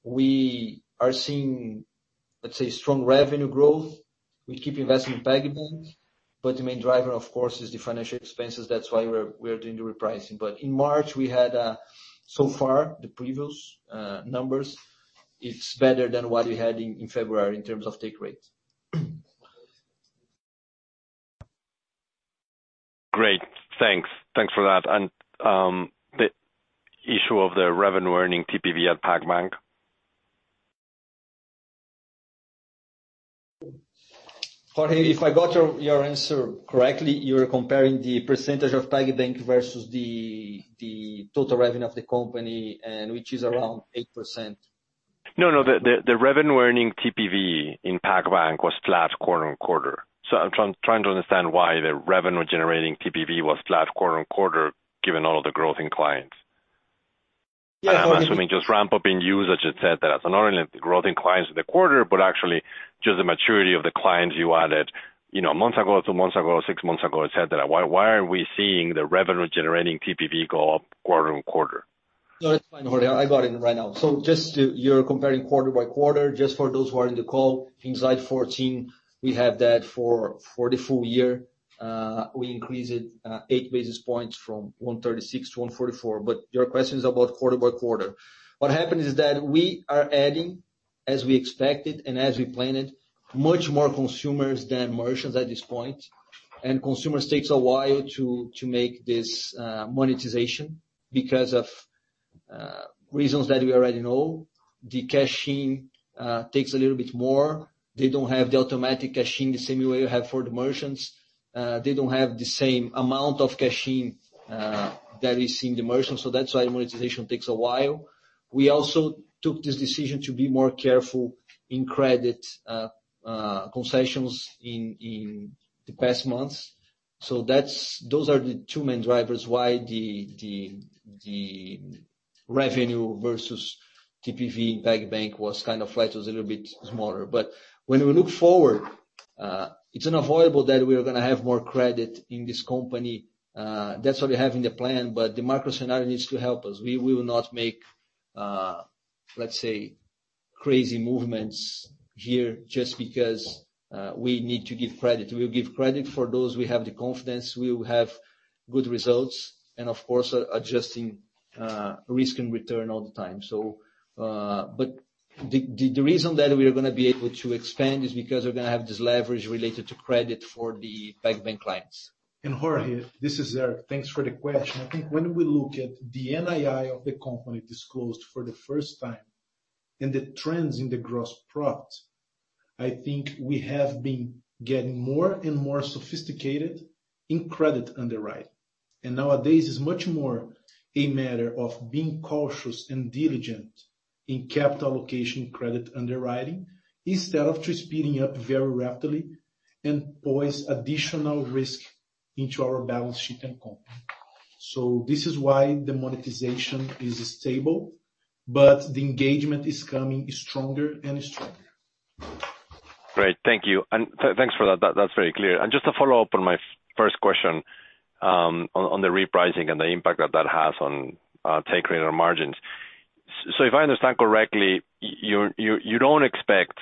We are seeing, let's say, strong revenue growth. We keep investing in PagBank, but the main driver, of course, is the financial expenses. That's why we're doing the repricing. In March, we had so far the previous numbers, it's better than what we had in February in terms of take rates. Great. Thanks. Thanks for that. The issue of the revenue earning TPV at PagBank. Jorge, if I got your answer correctly, you're comparing the percentage of PagBank versus the total revenue of the company and which is around 8%. No, no. The revenue earning TPV in PagBank was flat quarter-over-quarter. I'm trying to understand why the revenue generating TPV was flat quarter-over-quarter, given all of the growth in clients. Yeah. I'm assuming just ramp-up in usage, et cetera, so not only the growth in clients in the quarter, but actually just the maturity of the clients you added, you know, a month ago, two months ago, six months ago, et cetera. Why aren't we seeing the revenue generating TPV go up quarter-over-quarter? No, that's fine, Jorge. I got it right now. Just to, you're comparing quarter by quarter. Just for those who are in the call, in slide 14, we have that for the full year. We increased it eight basis points from 136 to 144. Your question is about quarter by quarter. What happened is that we are adding, as we expected and as we planned, much more consumers than merchants at this point. Consumers takes a while to make this monetization. Because of reasons that we already know, the caching takes a little bit more. They don't have the automatic caching the same way you have for the merchants. They don't have the same amount of caching that is in the merchants, so that's why the monetization takes a while. We also took this decision to be more careful in credit concessions in the past months. Those are the two main drivers why the revenue versus TPV PagBank was kind of flat. It was a little bit smaller. When we look forward, it's unavoidable that we are gonna have more credit in this company. That's what we have in the plan, but the market scenario needs to help us. We will not make, let's say, crazy movements here just because we need to give credit. We'll give credit for those we have the confidence we will have good results and of course, adjusting, risk and return all the time. The reason that we are gonna be able to expand is because we're gonna have this leverage related to credit for the PagBank clients. Jorge, this is Eric. Thanks for the question. I think when we look at the NII of the company disclosed for the first time and the trends in the gross profit, I think we have been getting more and more sophisticated in credit underwriting. Nowadays, it's much more a matter of being cautious and diligent in capital allocation credit underwriting instead of just speeding up very rapidly and posing additional risk into our balance sheet and company. This is why the monetization is stable, but the engagement is coming stronger and stronger. Great. Thank you. Thanks for that. That's very clear. Just a follow-up on my first question, on the repricing and the impact that has on take rate on margins. If I understand correctly, you don't expect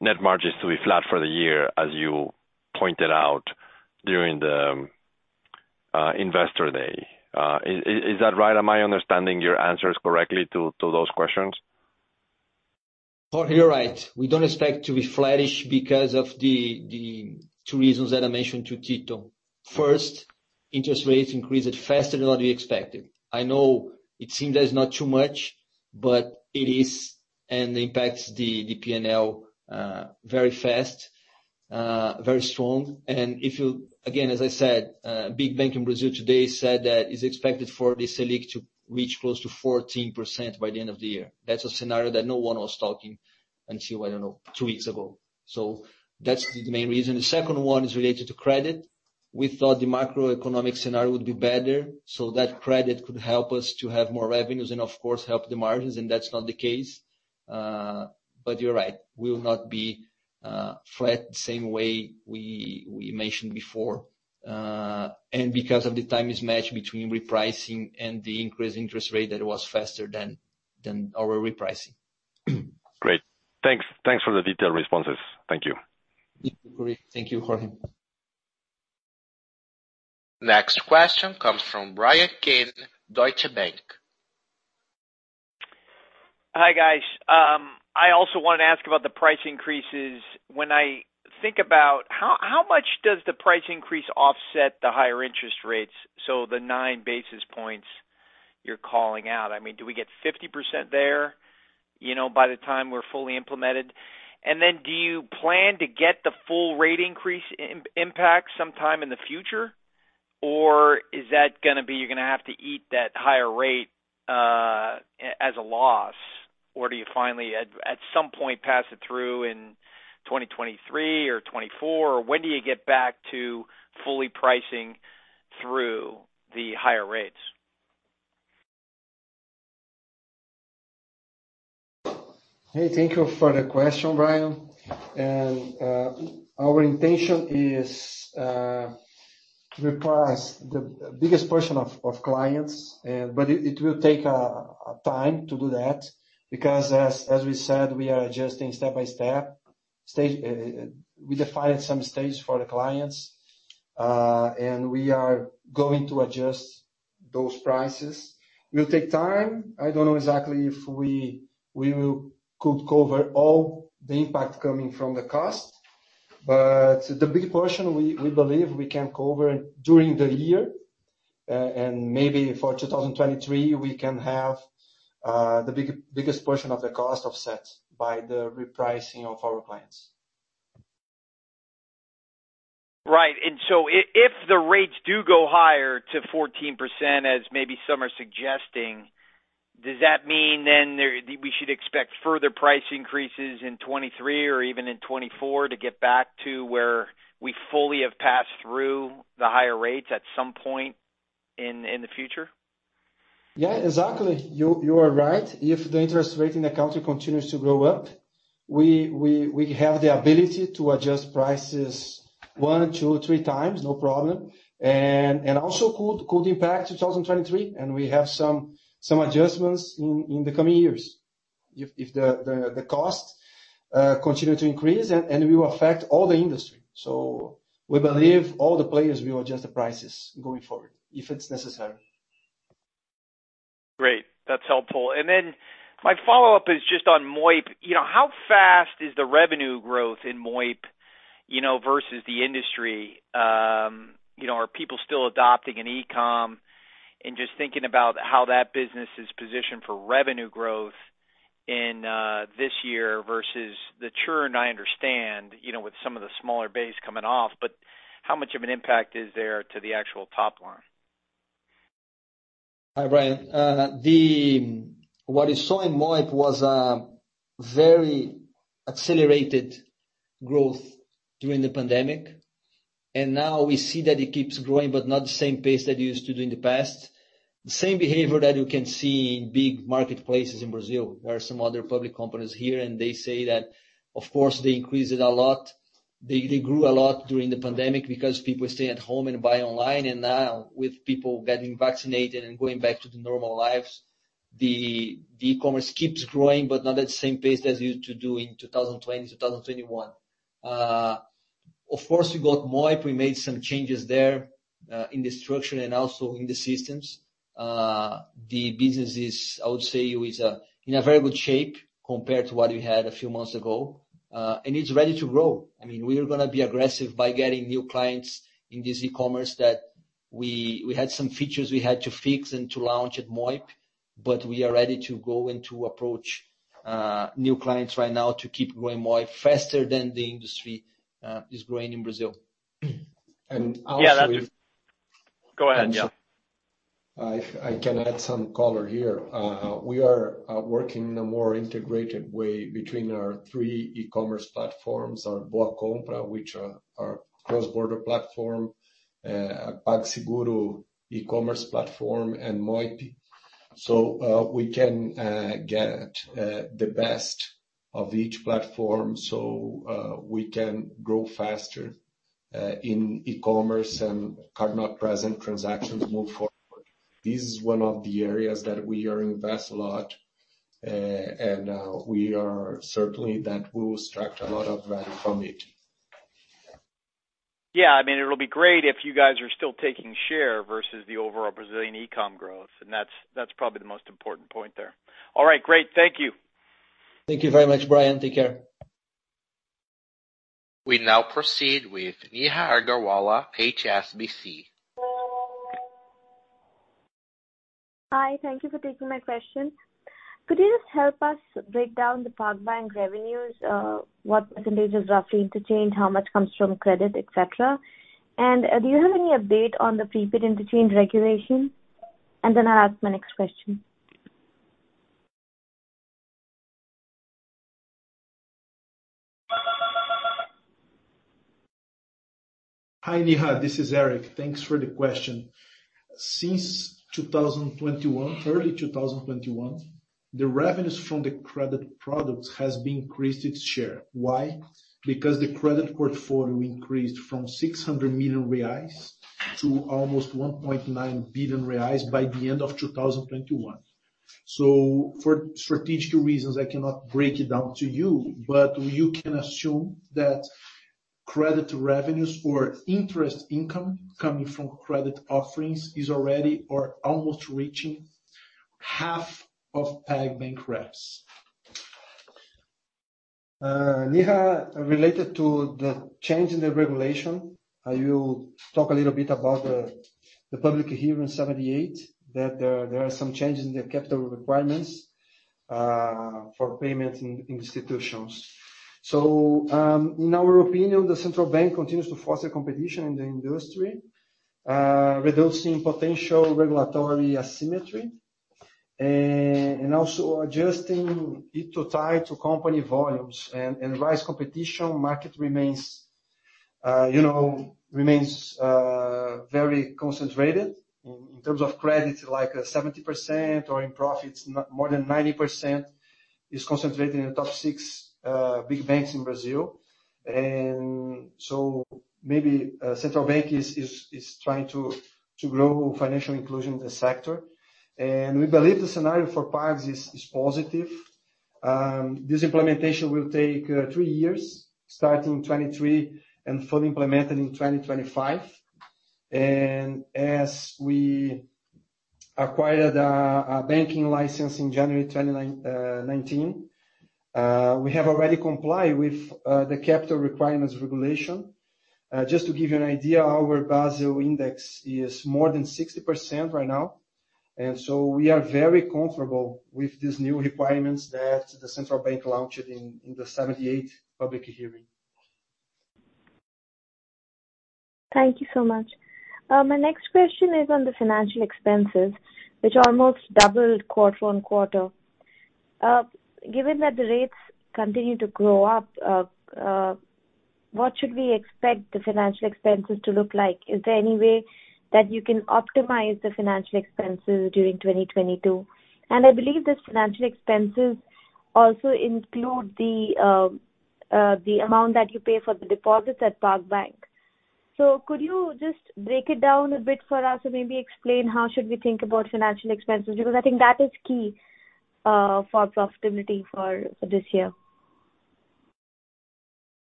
net margins to be flat for the year, as you pointed out during the Investor Day. Is that right? Am I understanding your answers correctly to those questions? Oh, you're right. We don't expect to be flattish because of the two reasons that I mentioned to Tito. First, interest rates increased faster than what we expected. I know it seems that it's not too much, but it is, and impacts the P&L very fast, very strong. Again, as I said, big bank in Brazil today said that it's expected for the Selic to reach close to 14% by the end of the year. That's a scenario that no one was talking until, I don't know, two weeks ago. That's the main reason. The second one is related to credit. We thought the macroeconomic scenario would be better, so that credit could help us to have more revenues and of course, help the margins, and that's not the case. You're right. We will not be flat the same way we mentioned before. Because of the time is matched between repricing and the increased interest rate, that it was faster than our repricing. Great. Thanks. Thanks for the detailed responses. Thank you. Great. Thank you, Jorge. Next question comes from Bryan Keane, Deutsche Bank. Hi, guys. I also wanna ask about the price increases. When I think about how much does the price increase offset the higher interest rates, so the 9 basis points you're calling out? I mean, do we get 50% there, you know, by the time we're fully implemented? Then do you plan to get the full rate increase impact sometime in the future? Or is that gonna be you're gonna have to eat that higher rate as a loss? Or do you finally at some point pass it through in 2023 or 2024? When do you get back to fully pricing through the higher rates? Hey, thank you for the question, Bryan. Our intention is to reprice the biggest portion of clients and. But it will take time to do that because as we said, we are adjusting step-by-step. We defined some stages for the clients, and we are going to adjust those prices. It will take time. I don't know exactly if we could cover all the impact coming from the cost. But the big portion we believe we can cover during the year, and maybe for 2023, we can have the biggest portion of the cost offset by the repricing of our clients. Right. If the rates do go higher to 14% as maybe some are suggesting, does that mean then we should expect further price increases in 2023 or even in 2024 to get back to where we fully have passed through the higher rates at some point in the future? Yeah, exactly. You are right. If the interest rate in the country continues to go up, we have the ability to adjust prices 1x-3x, no problem. Also could impact 2023, and we have some adjustments in the coming years if the cost continue to increase and will affect all the industry. We believe all the players will adjust the prices going forward if it's necessary. Great. That's helpful. Then my follow-up is just on Moip. You know, how fast is the revenue growth in Moip, you know, versus the industry? You know, are people still adopting in e-com? Just thinking about how that business is positioned for revenue growth in this year versus the churn, I understand, you know, with some of the smaller base coming off, but how much of an impact is there to the actual top line? Hi, Brian. What we saw in Moip was a very accelerated growth during the pandemic, and now we see that it keeps growing, but not the same pace that it used to do in the past. The same behavior that you can see in big marketplaces in Brazil. There are some other public companies here, and they say that, of course, they increased it a lot. They grew a lot during the pandemic because people stay at home and buy online. Now with people getting vaccinated and going back to the normal lives, the e-commerce keeps growing, but not at the same pace as it used to do in 2020, 2021. Of course, we got Moip. We made some changes there, in the structure and also in the systems. The business is, I would say, in a very good shape compared to what we had a few months ago, and it's ready to grow. I mean, we are gonna be aggressive by getting new clients in this e-commerce that we had some features we had to fix and to launch at Moip, but we are ready to go and to approach new clients right now to keep growing Moip faster than the industry is growing in Brazil. Go ahead, João. I can add some color here. We are working in a more integrated way between our three e-commerce platforms, our BoaCompra, which are our cross-border platform, PagSeguro e-commerce platform, and Moip. We can get the best of each platform, so we can grow faster in e-commerce and card-not-present transactions move forward. This is one of the areas that we are investing a lot, and we are certain that we will extract a lot of value from it. Yeah. I mean, it'll be great if you guys are still taking share versus the overall Brazilian e-com growth, and that's probably the most important point there. All right. Great. Thank you. Thank you very much, Bryan. Take care. We now proceed with Neha Agarwala, HSBC. Hi. Thank you for taking my question. Could you just help us break down the PagBank revenues? What percentage is roughly interchange, how much comes from credit, et cetera? And, do you have any update on the prepaid interchange regulation? Then I'll ask my next question. Hi, Neha. This is Eric. Thanks for the question. Since 2021, early 2021, the revenues from the credit products has increased its share. Why? Because the credit portfolio increased from 600 million reais to almost 1.9 billion reais by the end of 2021. For strategic reasons, I cannot break it down to you, but you can assume that credit revenues or interest income coming from credit offerings is already or almost reaching half of PagBank revs. Neha, related to the change in the regulation, I will talk a little bit about the public hearing 78, that there are some changes in the capital requirements for payment institutions. In our opinion, the central bank continues to foster competition in the industry, reducing potential regulatory asymmetry and also adjusting it to tie to company volumes. Rise competition market remains, you know, very concentrated. In terms of credit, like, 70%, or in profits, more than 90% is concentrated in the top six big banks in Brazil. Maybe central bank is trying to grow financial inclusion in the sector. We believe the scenario for Pag is positive. This implementation will take 3 years, starting 2023 and fully implemented in 2025. As we acquired our banking license in January 2019, we have already complied with the capital requirements regulation. Just to give you an idea, our Basel index is more than 60% right now. We are very comfortable with these new requirements that the central bank launched in the 78 public hearing. Thank you so much. My next question is on the financial expenses, which almost doubled quarter-over-quarter. Given that the rates continue to grow up, what should we expect the financial expenses to look like? Is there any way that you can optimize the financial expenses during 2022? I believe these financial expenses also include the amount that you pay for the deposits at PagBank. Could you just break it down a bit for us and maybe explain how should we think about financial expenses? Because I think that is key for profitability for this year.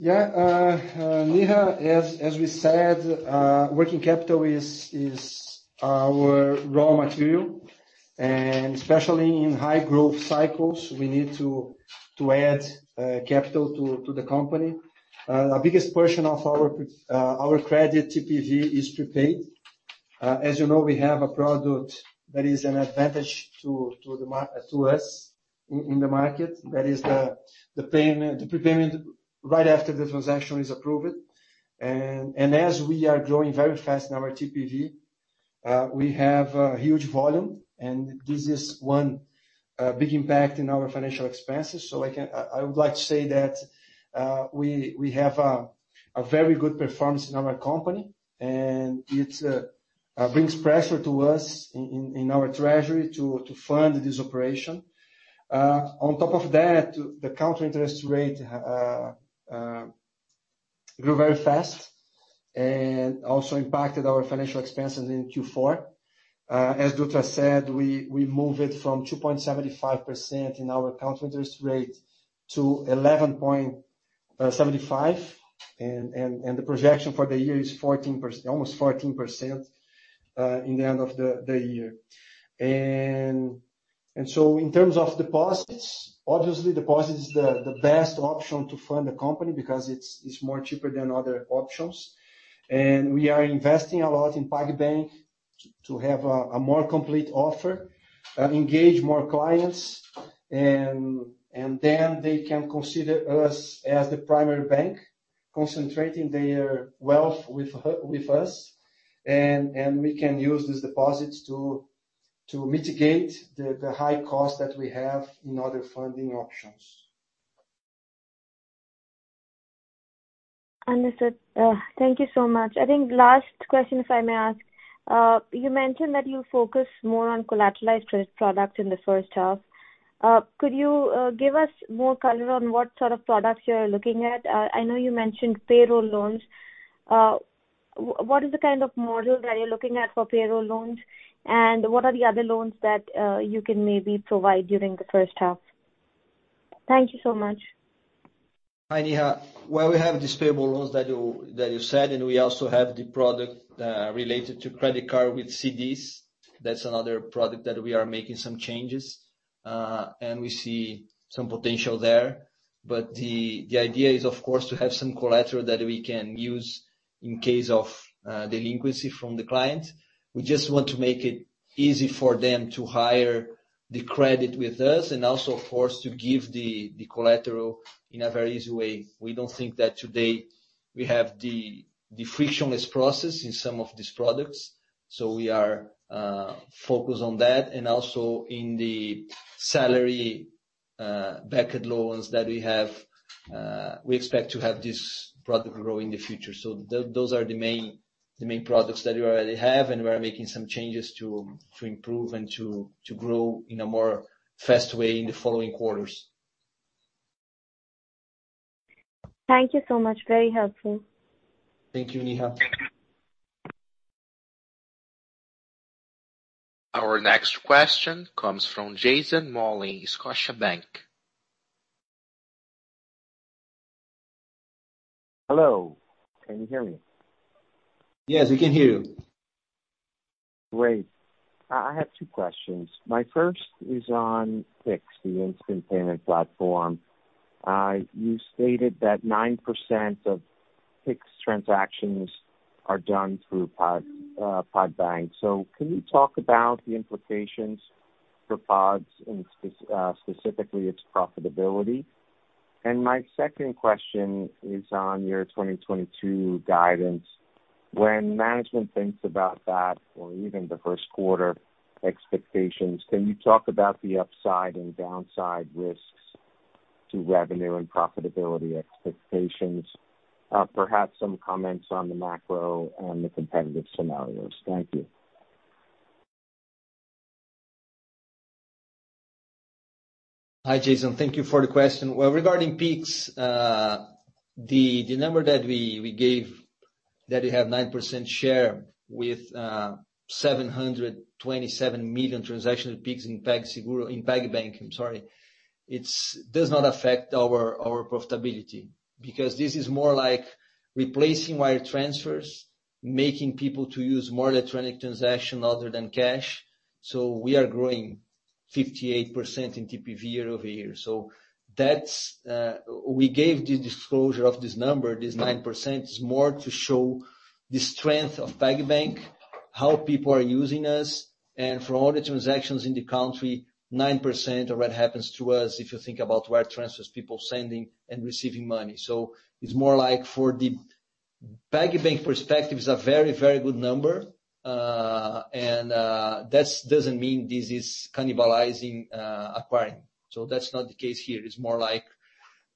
Yeah, Neha, as we said, working capital is our raw material, and especially in high growth cycles, we need to add capital to the company. Our biggest portion of our credit TPV is prepaid. As you know, we have a product that is an advantage to us in the market. That is the prepayment right after the transaction is approved. As we are growing very fast in our TPV, we have a huge volume, and this is one big impact in our financial expenses. I would like to say that we have a very good performance in our company and it brings pressure to us in our treasury to fund this operation. On top of that, the current interest rate grew very fast and also impacted our financial expenses in Q4. As Dutra said, we moved it from 2.75% in our current interest rate to 11.75, and the projection for the year is almost 14% in the end of the year. In terms of deposits, obviously deposits is the best option to fund the company because it's more cheaper than other options. We are investing a lot in PagBank to have a more complete offer, engage more clients and then they can consider us as the primary bank, concentrating their wealth with us, and we can use these deposits to mitigate the high cost that we have in other funding options. Understood. Thank you so much. I think last question, if I may ask. You mentioned that you focus more on collateralized credit products in the first half. Could you give us more color on what sort of products you're looking at? I know you mentioned payroll loans. What is the kind of model that you're looking at for payroll loans, and what are the other loans that you can maybe provide during the first half? Thank you so much. Hi, Neha. Well, we have these payroll loans that you said, and we also have the product related to credit card with CDI. That's another product that we are making some changes, and we see some potential there. But the idea is of course to have some collateral that we can use in case of delinquency from the client. We just want to make it easy for them to hire the credit with us, and also of course to give the collateral in a very easy way. We don't think that today we have the frictionless process in some of these products, so we are focused on that. Also in the salary backed loans that we have, we expect to have this product grow in the future. Those are the main products that we already have and we are making some changes to improve and to grow in a more fast way in the following quarters. Thank you so much. Very helpful. Thank you, Neha. Our next question comes from Jason Mollin, Scotiabank. Hello. Can you hear me? Yes, we can hear you. Great. I have two questions. My first is on PIX, the instant payment platform. You stated that 9% of PIX transactions are done through PagBank. So can you talk about the implications for PagBank's and specifically its profitability? My second question is on your 2022 guidance. When management thinks about that or even the first quarter expectations, can you talk about the upside and downside risks to revenue and profitability expectations? Perhaps some comments on the macro and the competitive scenarios. Thank you. Hi, Jason. Thank you for the question. Well, regarding PIX, the number that we gave that we have 9% share with, 727 million transactions PIX in PagBank, I'm sorry. It does not affect our profitability because this is more like replacing wire transfers, making people to use more electronic transaction other than cash. We are growing 58% in TPV year-over-year. That's, we gave the disclosure of this number, this 9%, is more to show the strength of PagBank, how people are using us. For all the transactions in the country, 9% of that happens through us if you think about wire transfers, people sending and receiving money. It's more like for the PagBank perspective is a very, very good number. That doesn't mean this is cannibalizing acquiring. That's not the case here. It's more like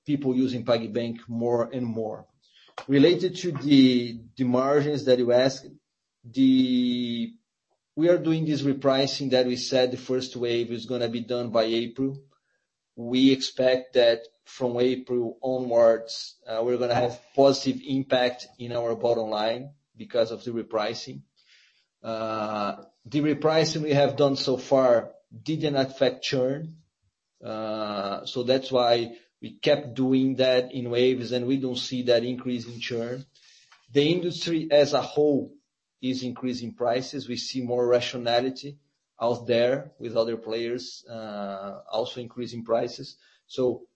people using PagBank more and more. Related to the margins that you asked, we are doing this repricing that we said the first wave is gonna be done by April. We expect that from April onwards, we're gonna have positive impact in our bottom line because of the repricing. The repricing we have done so far didn't affect churn. That's why we kept doing that in waves, and we don't see that increase in churn. The industry as a whole is increasing prices. We see more rationality out there with other players also increasing prices. To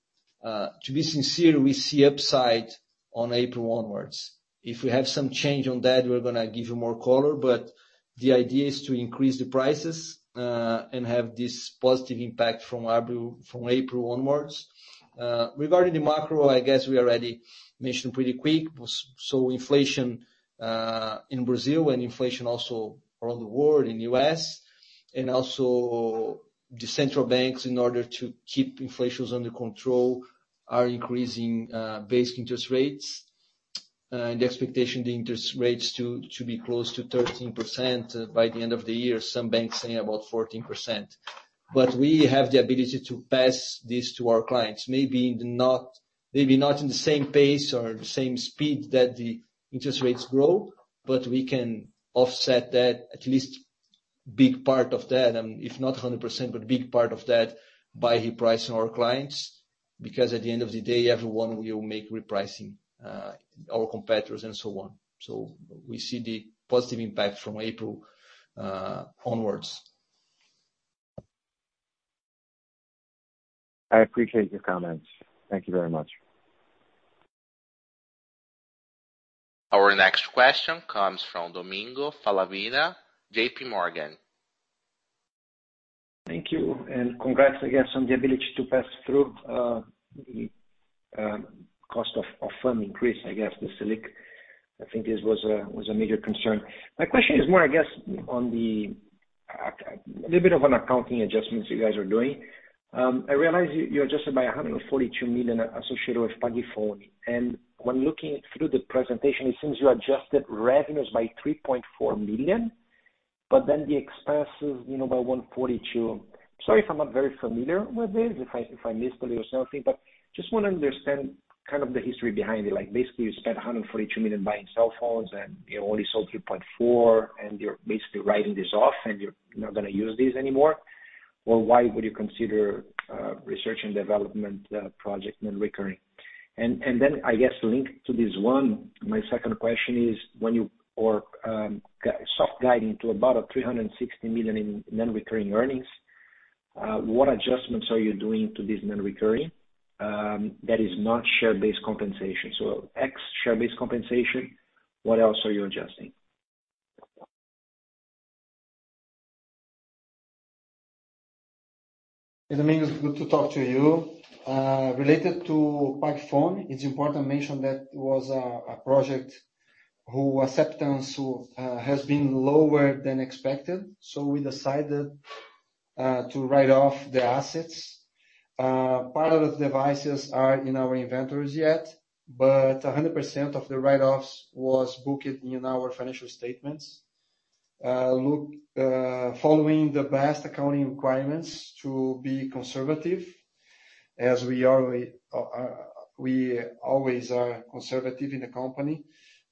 be sincere, we see upside on April onwards. If we have some change on that, we're gonna give you more color, but the idea is to increase the prices and have this positive impact from April onwards. Regarding the macro, I guess we already mentioned pretty quick. Inflation in Brazil and inflation also around the world, in U.S., and also the central banks, in order to keep inflation under control, are increasing basic interest rates. And the expectation the interest rates to be close to 13% by the end of the year. Some banks saying about 14%. But we have the ability to pass this to our clients. Maybe not, maybe not in the same pace or the same speed that the interest rates grow, but we can offset that, at least big part of that. If not 100%, but big part of that by repricing our clients. Because at the end of the day, everyone will make repricing, our competitors and so on. We see the positive impact from April onwards. I appreciate your comments. Thank you very much. Our next question comes from Domingos Falavina, JPMorgan. Thank you and congrats, I guess, on the ability to pass through the cost of fund increase, I guess, the Selic. I think this was a major concern. My question is more, I guess, on a little bit of an accounting adjustments you guys are doing. I realize you adjusted by 142 million associated with PagPhone. When looking through the presentation, it seems you adjusted revenues by 3.4 million, but then the expenses, you know, by 142 million. Sorry if I'm not very familiar with this, if I missed something. Just wanna understand kind of the history behind it. Like, basically, you spent 142 million buying cell phones and you only sold 3.4 million, and you're basically writing this off, and you're not gonna use these anymore. Why would you consider research and development projects non-recurring? And then, I guess linked to this one, my second question is when you are just guiding to about 360 million in non-recurring earnings, what adjustments are you doing to this non-recurring that is not share-based compensation? Ex share-based compensation, what else are you adjusting? Hey, Domingos Falavina. Good to talk to you. Related to PagPhone, it's important to mention that it was a project whose acceptance has been lower than expected, so we decided to write off the assets. Part of the devices are in our inventories yet, but 100% of the write-offs was booked in our financial statements. Look, following the best accounting requirements to be conservative, as we are, we always are conservative in the company.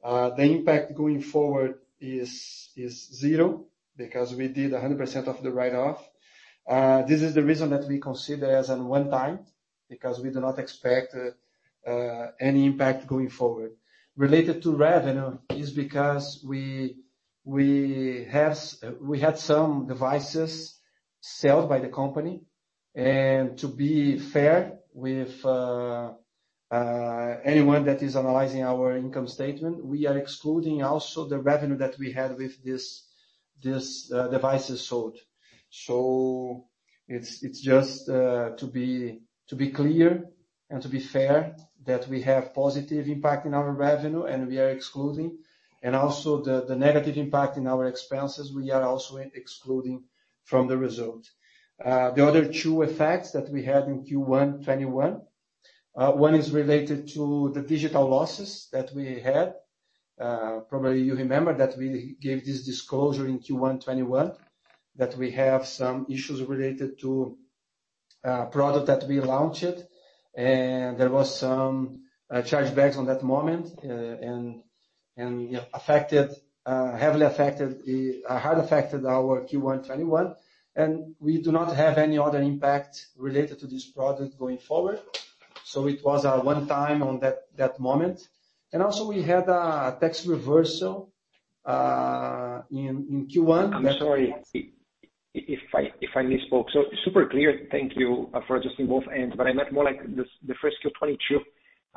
The impact going forward is zero because we did 100% of the write-off. This is the reason that we consider as a one-time, because we do not expect any impact going forward. Related to revenue is because we had some devices sold by the company. To be fair with anyone that is analyzing our income statement, we are excluding also the revenue that we had with this devices sold. It's just to be clear and to be fair that we have positive impact in our revenue and we are excluding. Also the negative impact in our expenses, we are also excluding from the result. The other two effects that we had in Q1 2021, one is related to the digital losses that we had. Probably you remember that we gave this disclosure in Q1 2021, that we have some issues related to a product that we launched. There was some chargebacks on that moment, and affected heavily affected our Q1 2021. We do not have any other impact related to this product going forward. It was a one-time on that moment. We had a tax reversal in Q1- I'm sorry if I misspoke. Super clear. Thank you for addressing both ends. I meant more like the first Q1 2022,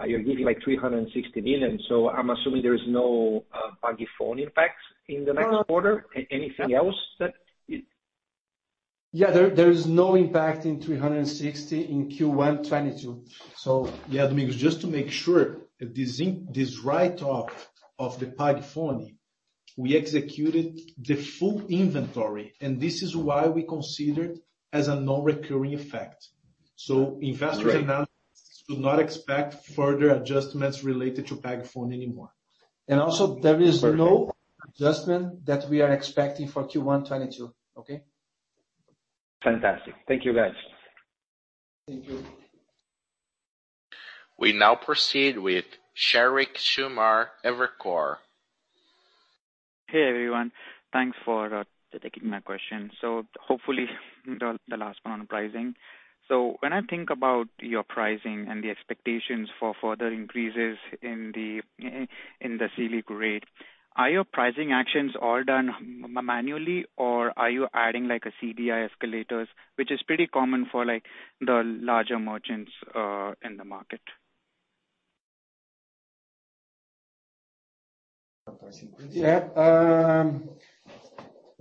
you're giving like 360 million. I'm assuming there is no PagPhone impact in the next quarter. Anything else that it There is no impact in 360 in Q1 2022. Yeah. Domingo, just to make sure. This write-off of the PagPhone, we executed the full inventory, and this is why we considered as a non-recurring effect. Investors- Great. Analysts do not expect further adjustments related to PagPhone anymore. Also there is no adjustment that we are expecting for Q1 2022. Okay? Fantastic. Thank you, guys. Thank you. We now proceed with Sheriq Sumar, Evercore. Hey everyone. Thanks for taking my question. Hopefully the last one on pricing. When I think about your pricing and the expectations for further increases in the Selic rate, are your pricing actions all done manually or are you adding like a CDI escalators, which is pretty common for like the larger merchants in the market? Yeah.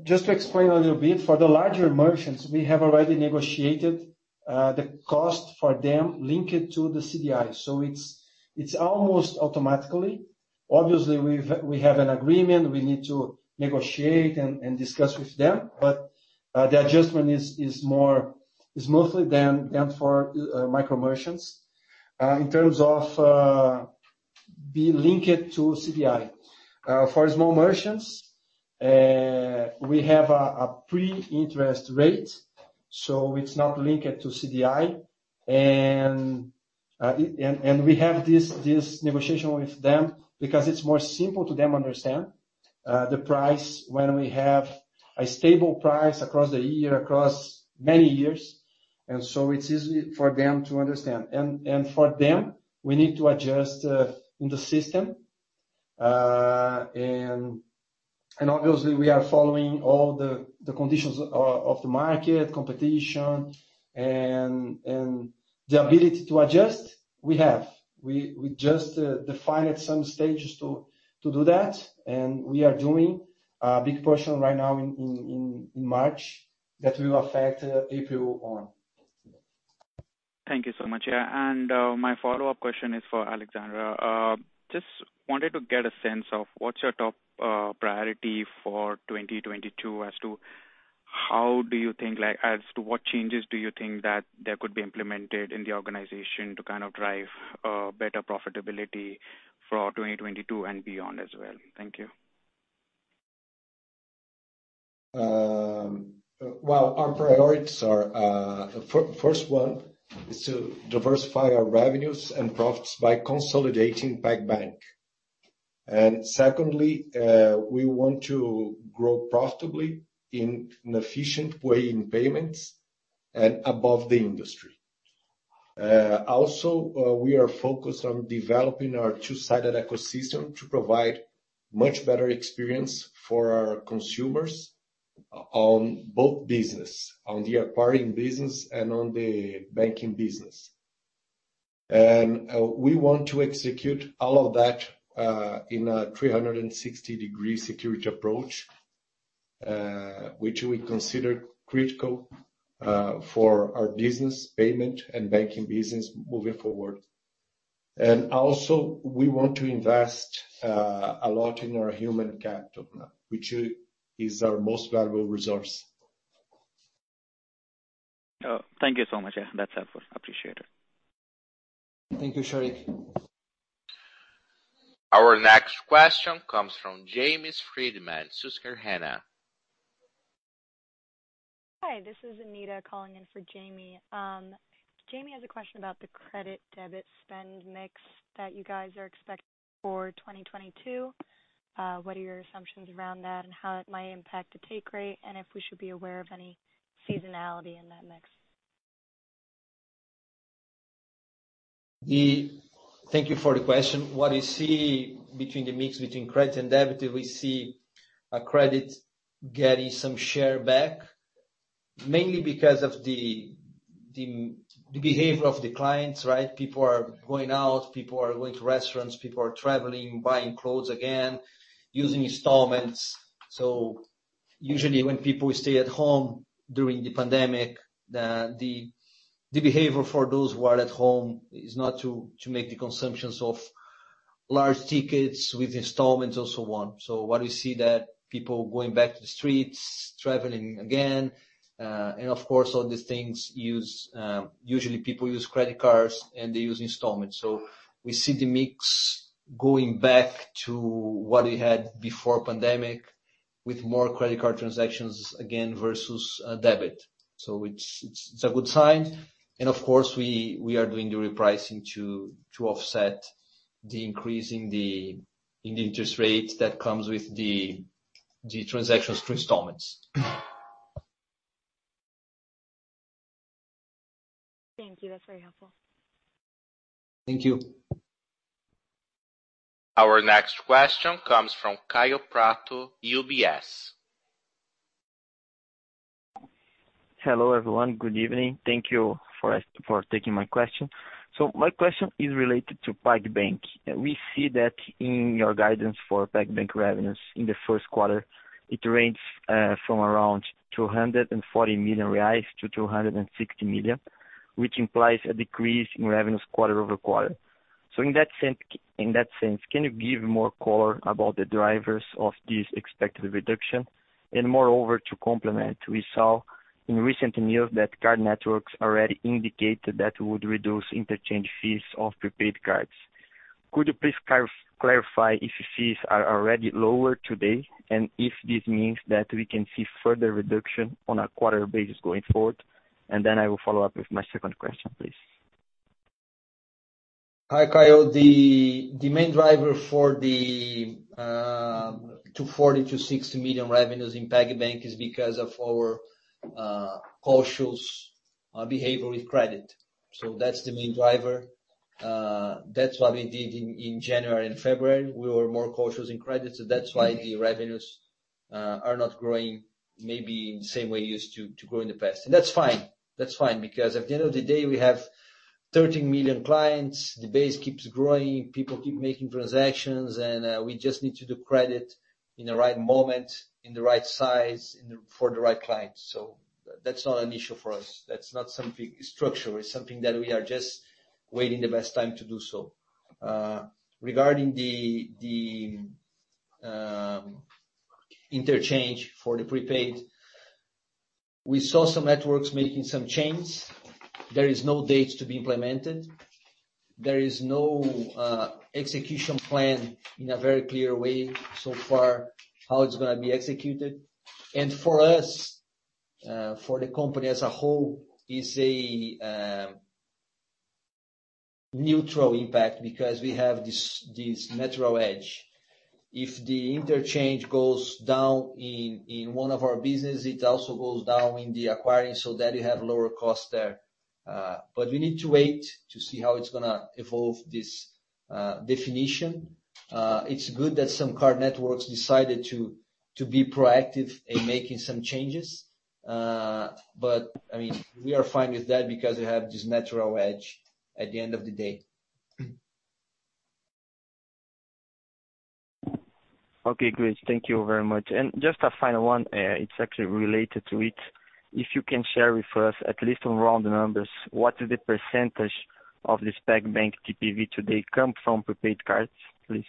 Just to explain a little bit, for the larger merchants, we have already negotiated the cost for them linked to the CDI. It's almost automatically. Obviously we have an agreement, we need to negotiate and discuss with them, but the adjustment is mostly done for micro merchants in terms of being linked to CDI. For small merchants, we have a prefixed interest rate, so it's not linked to CDI and we have this negotiation with them because it's more simple for them to understand the price when we have a stable price across the year, across many years, and so it's easy for them to understand. For them, we need to adjust in the system. Obviously we are following all the conditions of the market, competition and the ability to adjust we have. We just decide at some stages to do that, and we are doing a big portion right now in March that will affect April on. Thank you so much. Yeah. My follow-up question is for Alexandre. Just wanted to get a sense of what's your top priority for 2022 as to how do you think, like as to what changes do you think that there could be implemented in the organization to kind of drive better profitability for 2022 and beyond as well? Thank you. Well, our priorities are, first one is to diversify our revenues and profits by consolidating PagBank. Secondly, we want to grow profitably in an efficient way in payments and above the industry. We are focused on developing our two-sided ecosystem to provide much better experience for our consumers on both business, on the acquiring business and on the banking business. We want to execute all of that in a 360-degree security approach, which we consider critical for our business payment and banking business moving forward. We also want to invest a lot in our human capital now, which is our most valuable resource. Oh, thank you so much. Yeah, that's helpful. Appreciate it. Thank you, Sheriq. Our next question comes from Jamie Friedman, Susquehanna. Hi, this is Anita calling in for Jamie. Jamie has a question about the credit debit spend mix that you guys are expecting for 2022. What are your assumptions around that and how it might impact the take rate, and if we should be aware of any seasonality in that mix? Thank you for the question. What you see between the mix between credit and debit is we see a credit getting some share back mainly because of the behavior of the clients, right? People are going out, people are going to restaurants, people are traveling, buying clothes again, using installments. Usually when people stay at home during the pandemic, the behavior for those who are at home is not to make the consumptions of large tickets with installments or so on. What we see that people going back to the streets, traveling again, and of course, all these things use usually people use credit cards and they use installments. We see the mix going back to what we had before pandemic with more credit card transactions again versus debit. It's a good sign. Of course, we are doing the repricing to offset the increase in the interest rates that comes with the transactions through installments. Thank you. That's very helpful. Thank you. Our next question comes from Kaio Prato, UBS. Hello, everyone. Good evening. Thank you for taking my question. My question is related to PagBank. We see that in your guidance for PagBank revenues in the first quarter, it ranges from around 240 million-260 million reais, which implies a decrease in revenues quarter-over-quarter. In that sense, can you give more color about the drivers of this expected reduction? Moreover, to complement, we saw in recent news that card networks already indicated that would reduce interchange fees of prepaid cards. Could you please clarify if fees are already lower today, and if this means that we can see further reduction on a quarter basis going forward? I will follow up with my second question, please. Hi, Kyle. The main driver for the 240 million-260 million revenues in PagBank is because of our cautious behavior with credit. That's the main driver. That's what we did in January and February. We were more cautious in credit, so that's why the revenues are not growing maybe in the same way it used to grow in the past. That's fine, because at the end of the day, we have 13 million clients. The base keeps growing, people keep making transactions, and we just need to do credit in the right moment, in the right size for the right clients. That's not an issue for us. That's not something structural. It's something that we are just waiting the best time to do so. Regarding the interchange for the prepaid, we saw some networks making some changes. There is no dates to be implemented. There is no execution plan in a very clear way so far, how it's gonna be executed. For us, for the company as a whole, is a neutral impact because we have this natural edge. If the interchange goes down in one of our business, it also goes down in the acquiring, so that you have lower cost there. We need to wait to see how it's gonna evolve this definition. It's good that some card networks decided to be proactive in making some changes. I mean, we are fine with that because we have this natural edge at the end of the day. Okay, great. Thank you very much. Just a final one, it's actually related to it. If you can share with us, at least some round numbers, what is the percentage of this PagBank TPV today come from prepaid cards, please?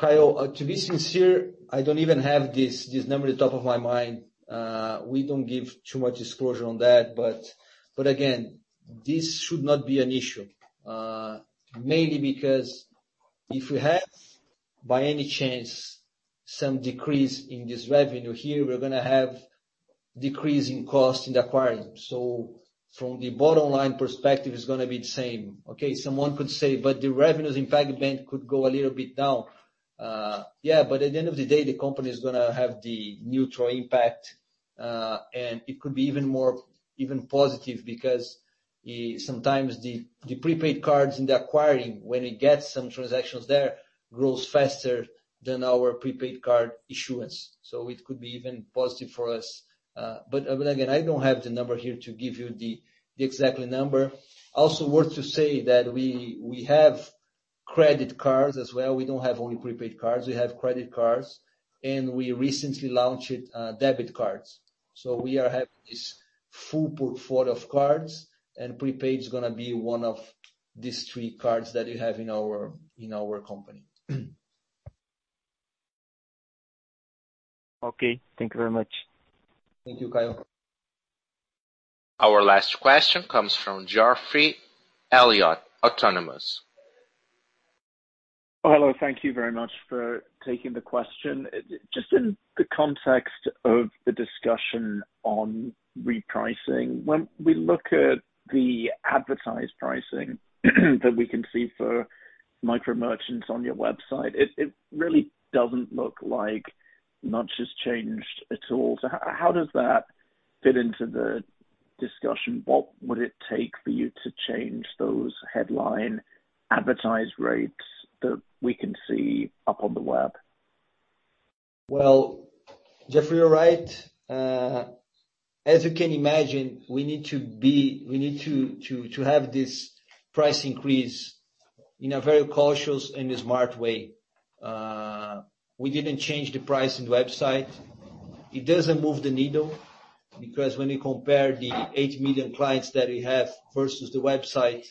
Kaio Prato, to be sincere, I don't even have this number at the top of my mind. We don't give too much disclosure on that. Again, this should not be an issue. Mainly because if we have, by any chance, some decrease in this revenue here, we're gonna have decrease in cost in the acquiring. From the bottom line perspective, it's gonna be the same. Okay. Someone could say, "But the revenues in PagBank could go a little bit down." Yeah, but at the end of the day, the company is gonna have the neutral impact. It could be even more positive because sometimes the prepaid cards in the acquiring, when it gets some transactions there, grows faster than our prepaid card issuance. It could be even positive for us. Again, I don't have the number here to give you the exact number. Also worth to say that we have credit cards as well. We don't have only prepaid cards, we have credit cards. We recently launched debit cards. We are having this full portfolio of cards, and prepaid is gonna be one of these three cards that we have in our company. Okay. Thank you very much. Thank you, Kaio Prato. Our last question comes from Geoffrey Elliot, Autonomous. Hello. Thank you very much for taking the question. Just in the context of the discussion on repricing, when we look at the advertised pricing that we can see for micro merchants on your website, it really doesn't look like much has changed at all. How does that fit into the discussion? What would it take for you to change those headline advertised rates that we can see up on the web? Well, Geoffrey, you're right. As you can imagine, we need to have this price increase in a very cautious and a smart way. We didn't change the price in the website. It doesn't move the needle because when you compare the 8 million clients that we have versus the website,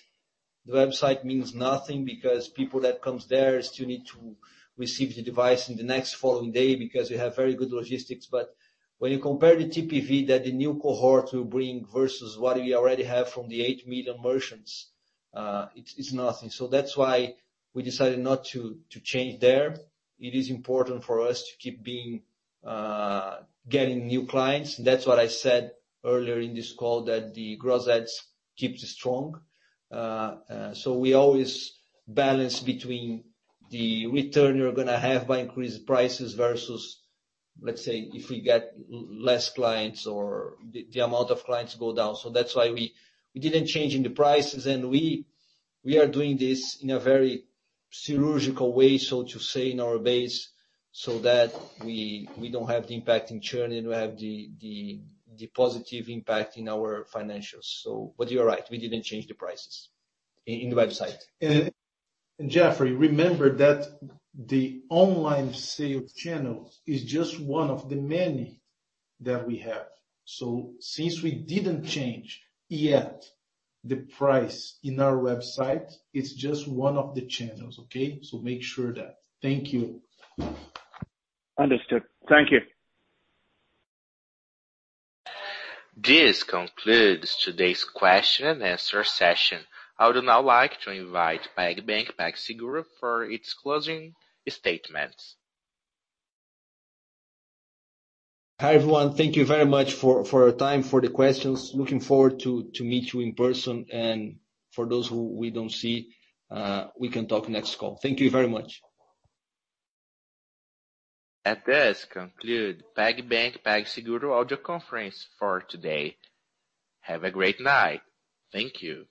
the website means nothing because people that comes there still need to receive the device in the next following day because we have very good logistics. When you compare the TPV that the new cohort will bring versus what we already have from the 8 million merchants, it's nothing. That's why we decided not to change there. It is important for us to keep being getting new clients. That's what I said earlier in this call, that the growth rates keeps strong. We always balance between the return you're gonna have by increased prices versus, let's say, if we get less clients or the amount of clients go down. That's why we didn't change in the prices. We are doing this in a very surgical way, so to say, in our base, so that we don't have the impact in churn, and we have the positive impact in our financials. You are right, we didn't change the prices in the website. Geoffrey, remember that the online sales channel is just one of the many that we have. Since we didn't change yet the price in our website, it's just one of the channels, okay? Make sure of that. Thank you. Understood. Thank you. This concludes today's question and answer session. I would now like to invite PagBank PagSeguro for its closing statements. Hi, everyone. Thank you very much for your time, for the questions. Looking forward to meet you in person. For those who we don't see, we can talk next call. Thank you very much. This concludes PagBank PagSeguro audio conference for today. Have a great night. Thank you.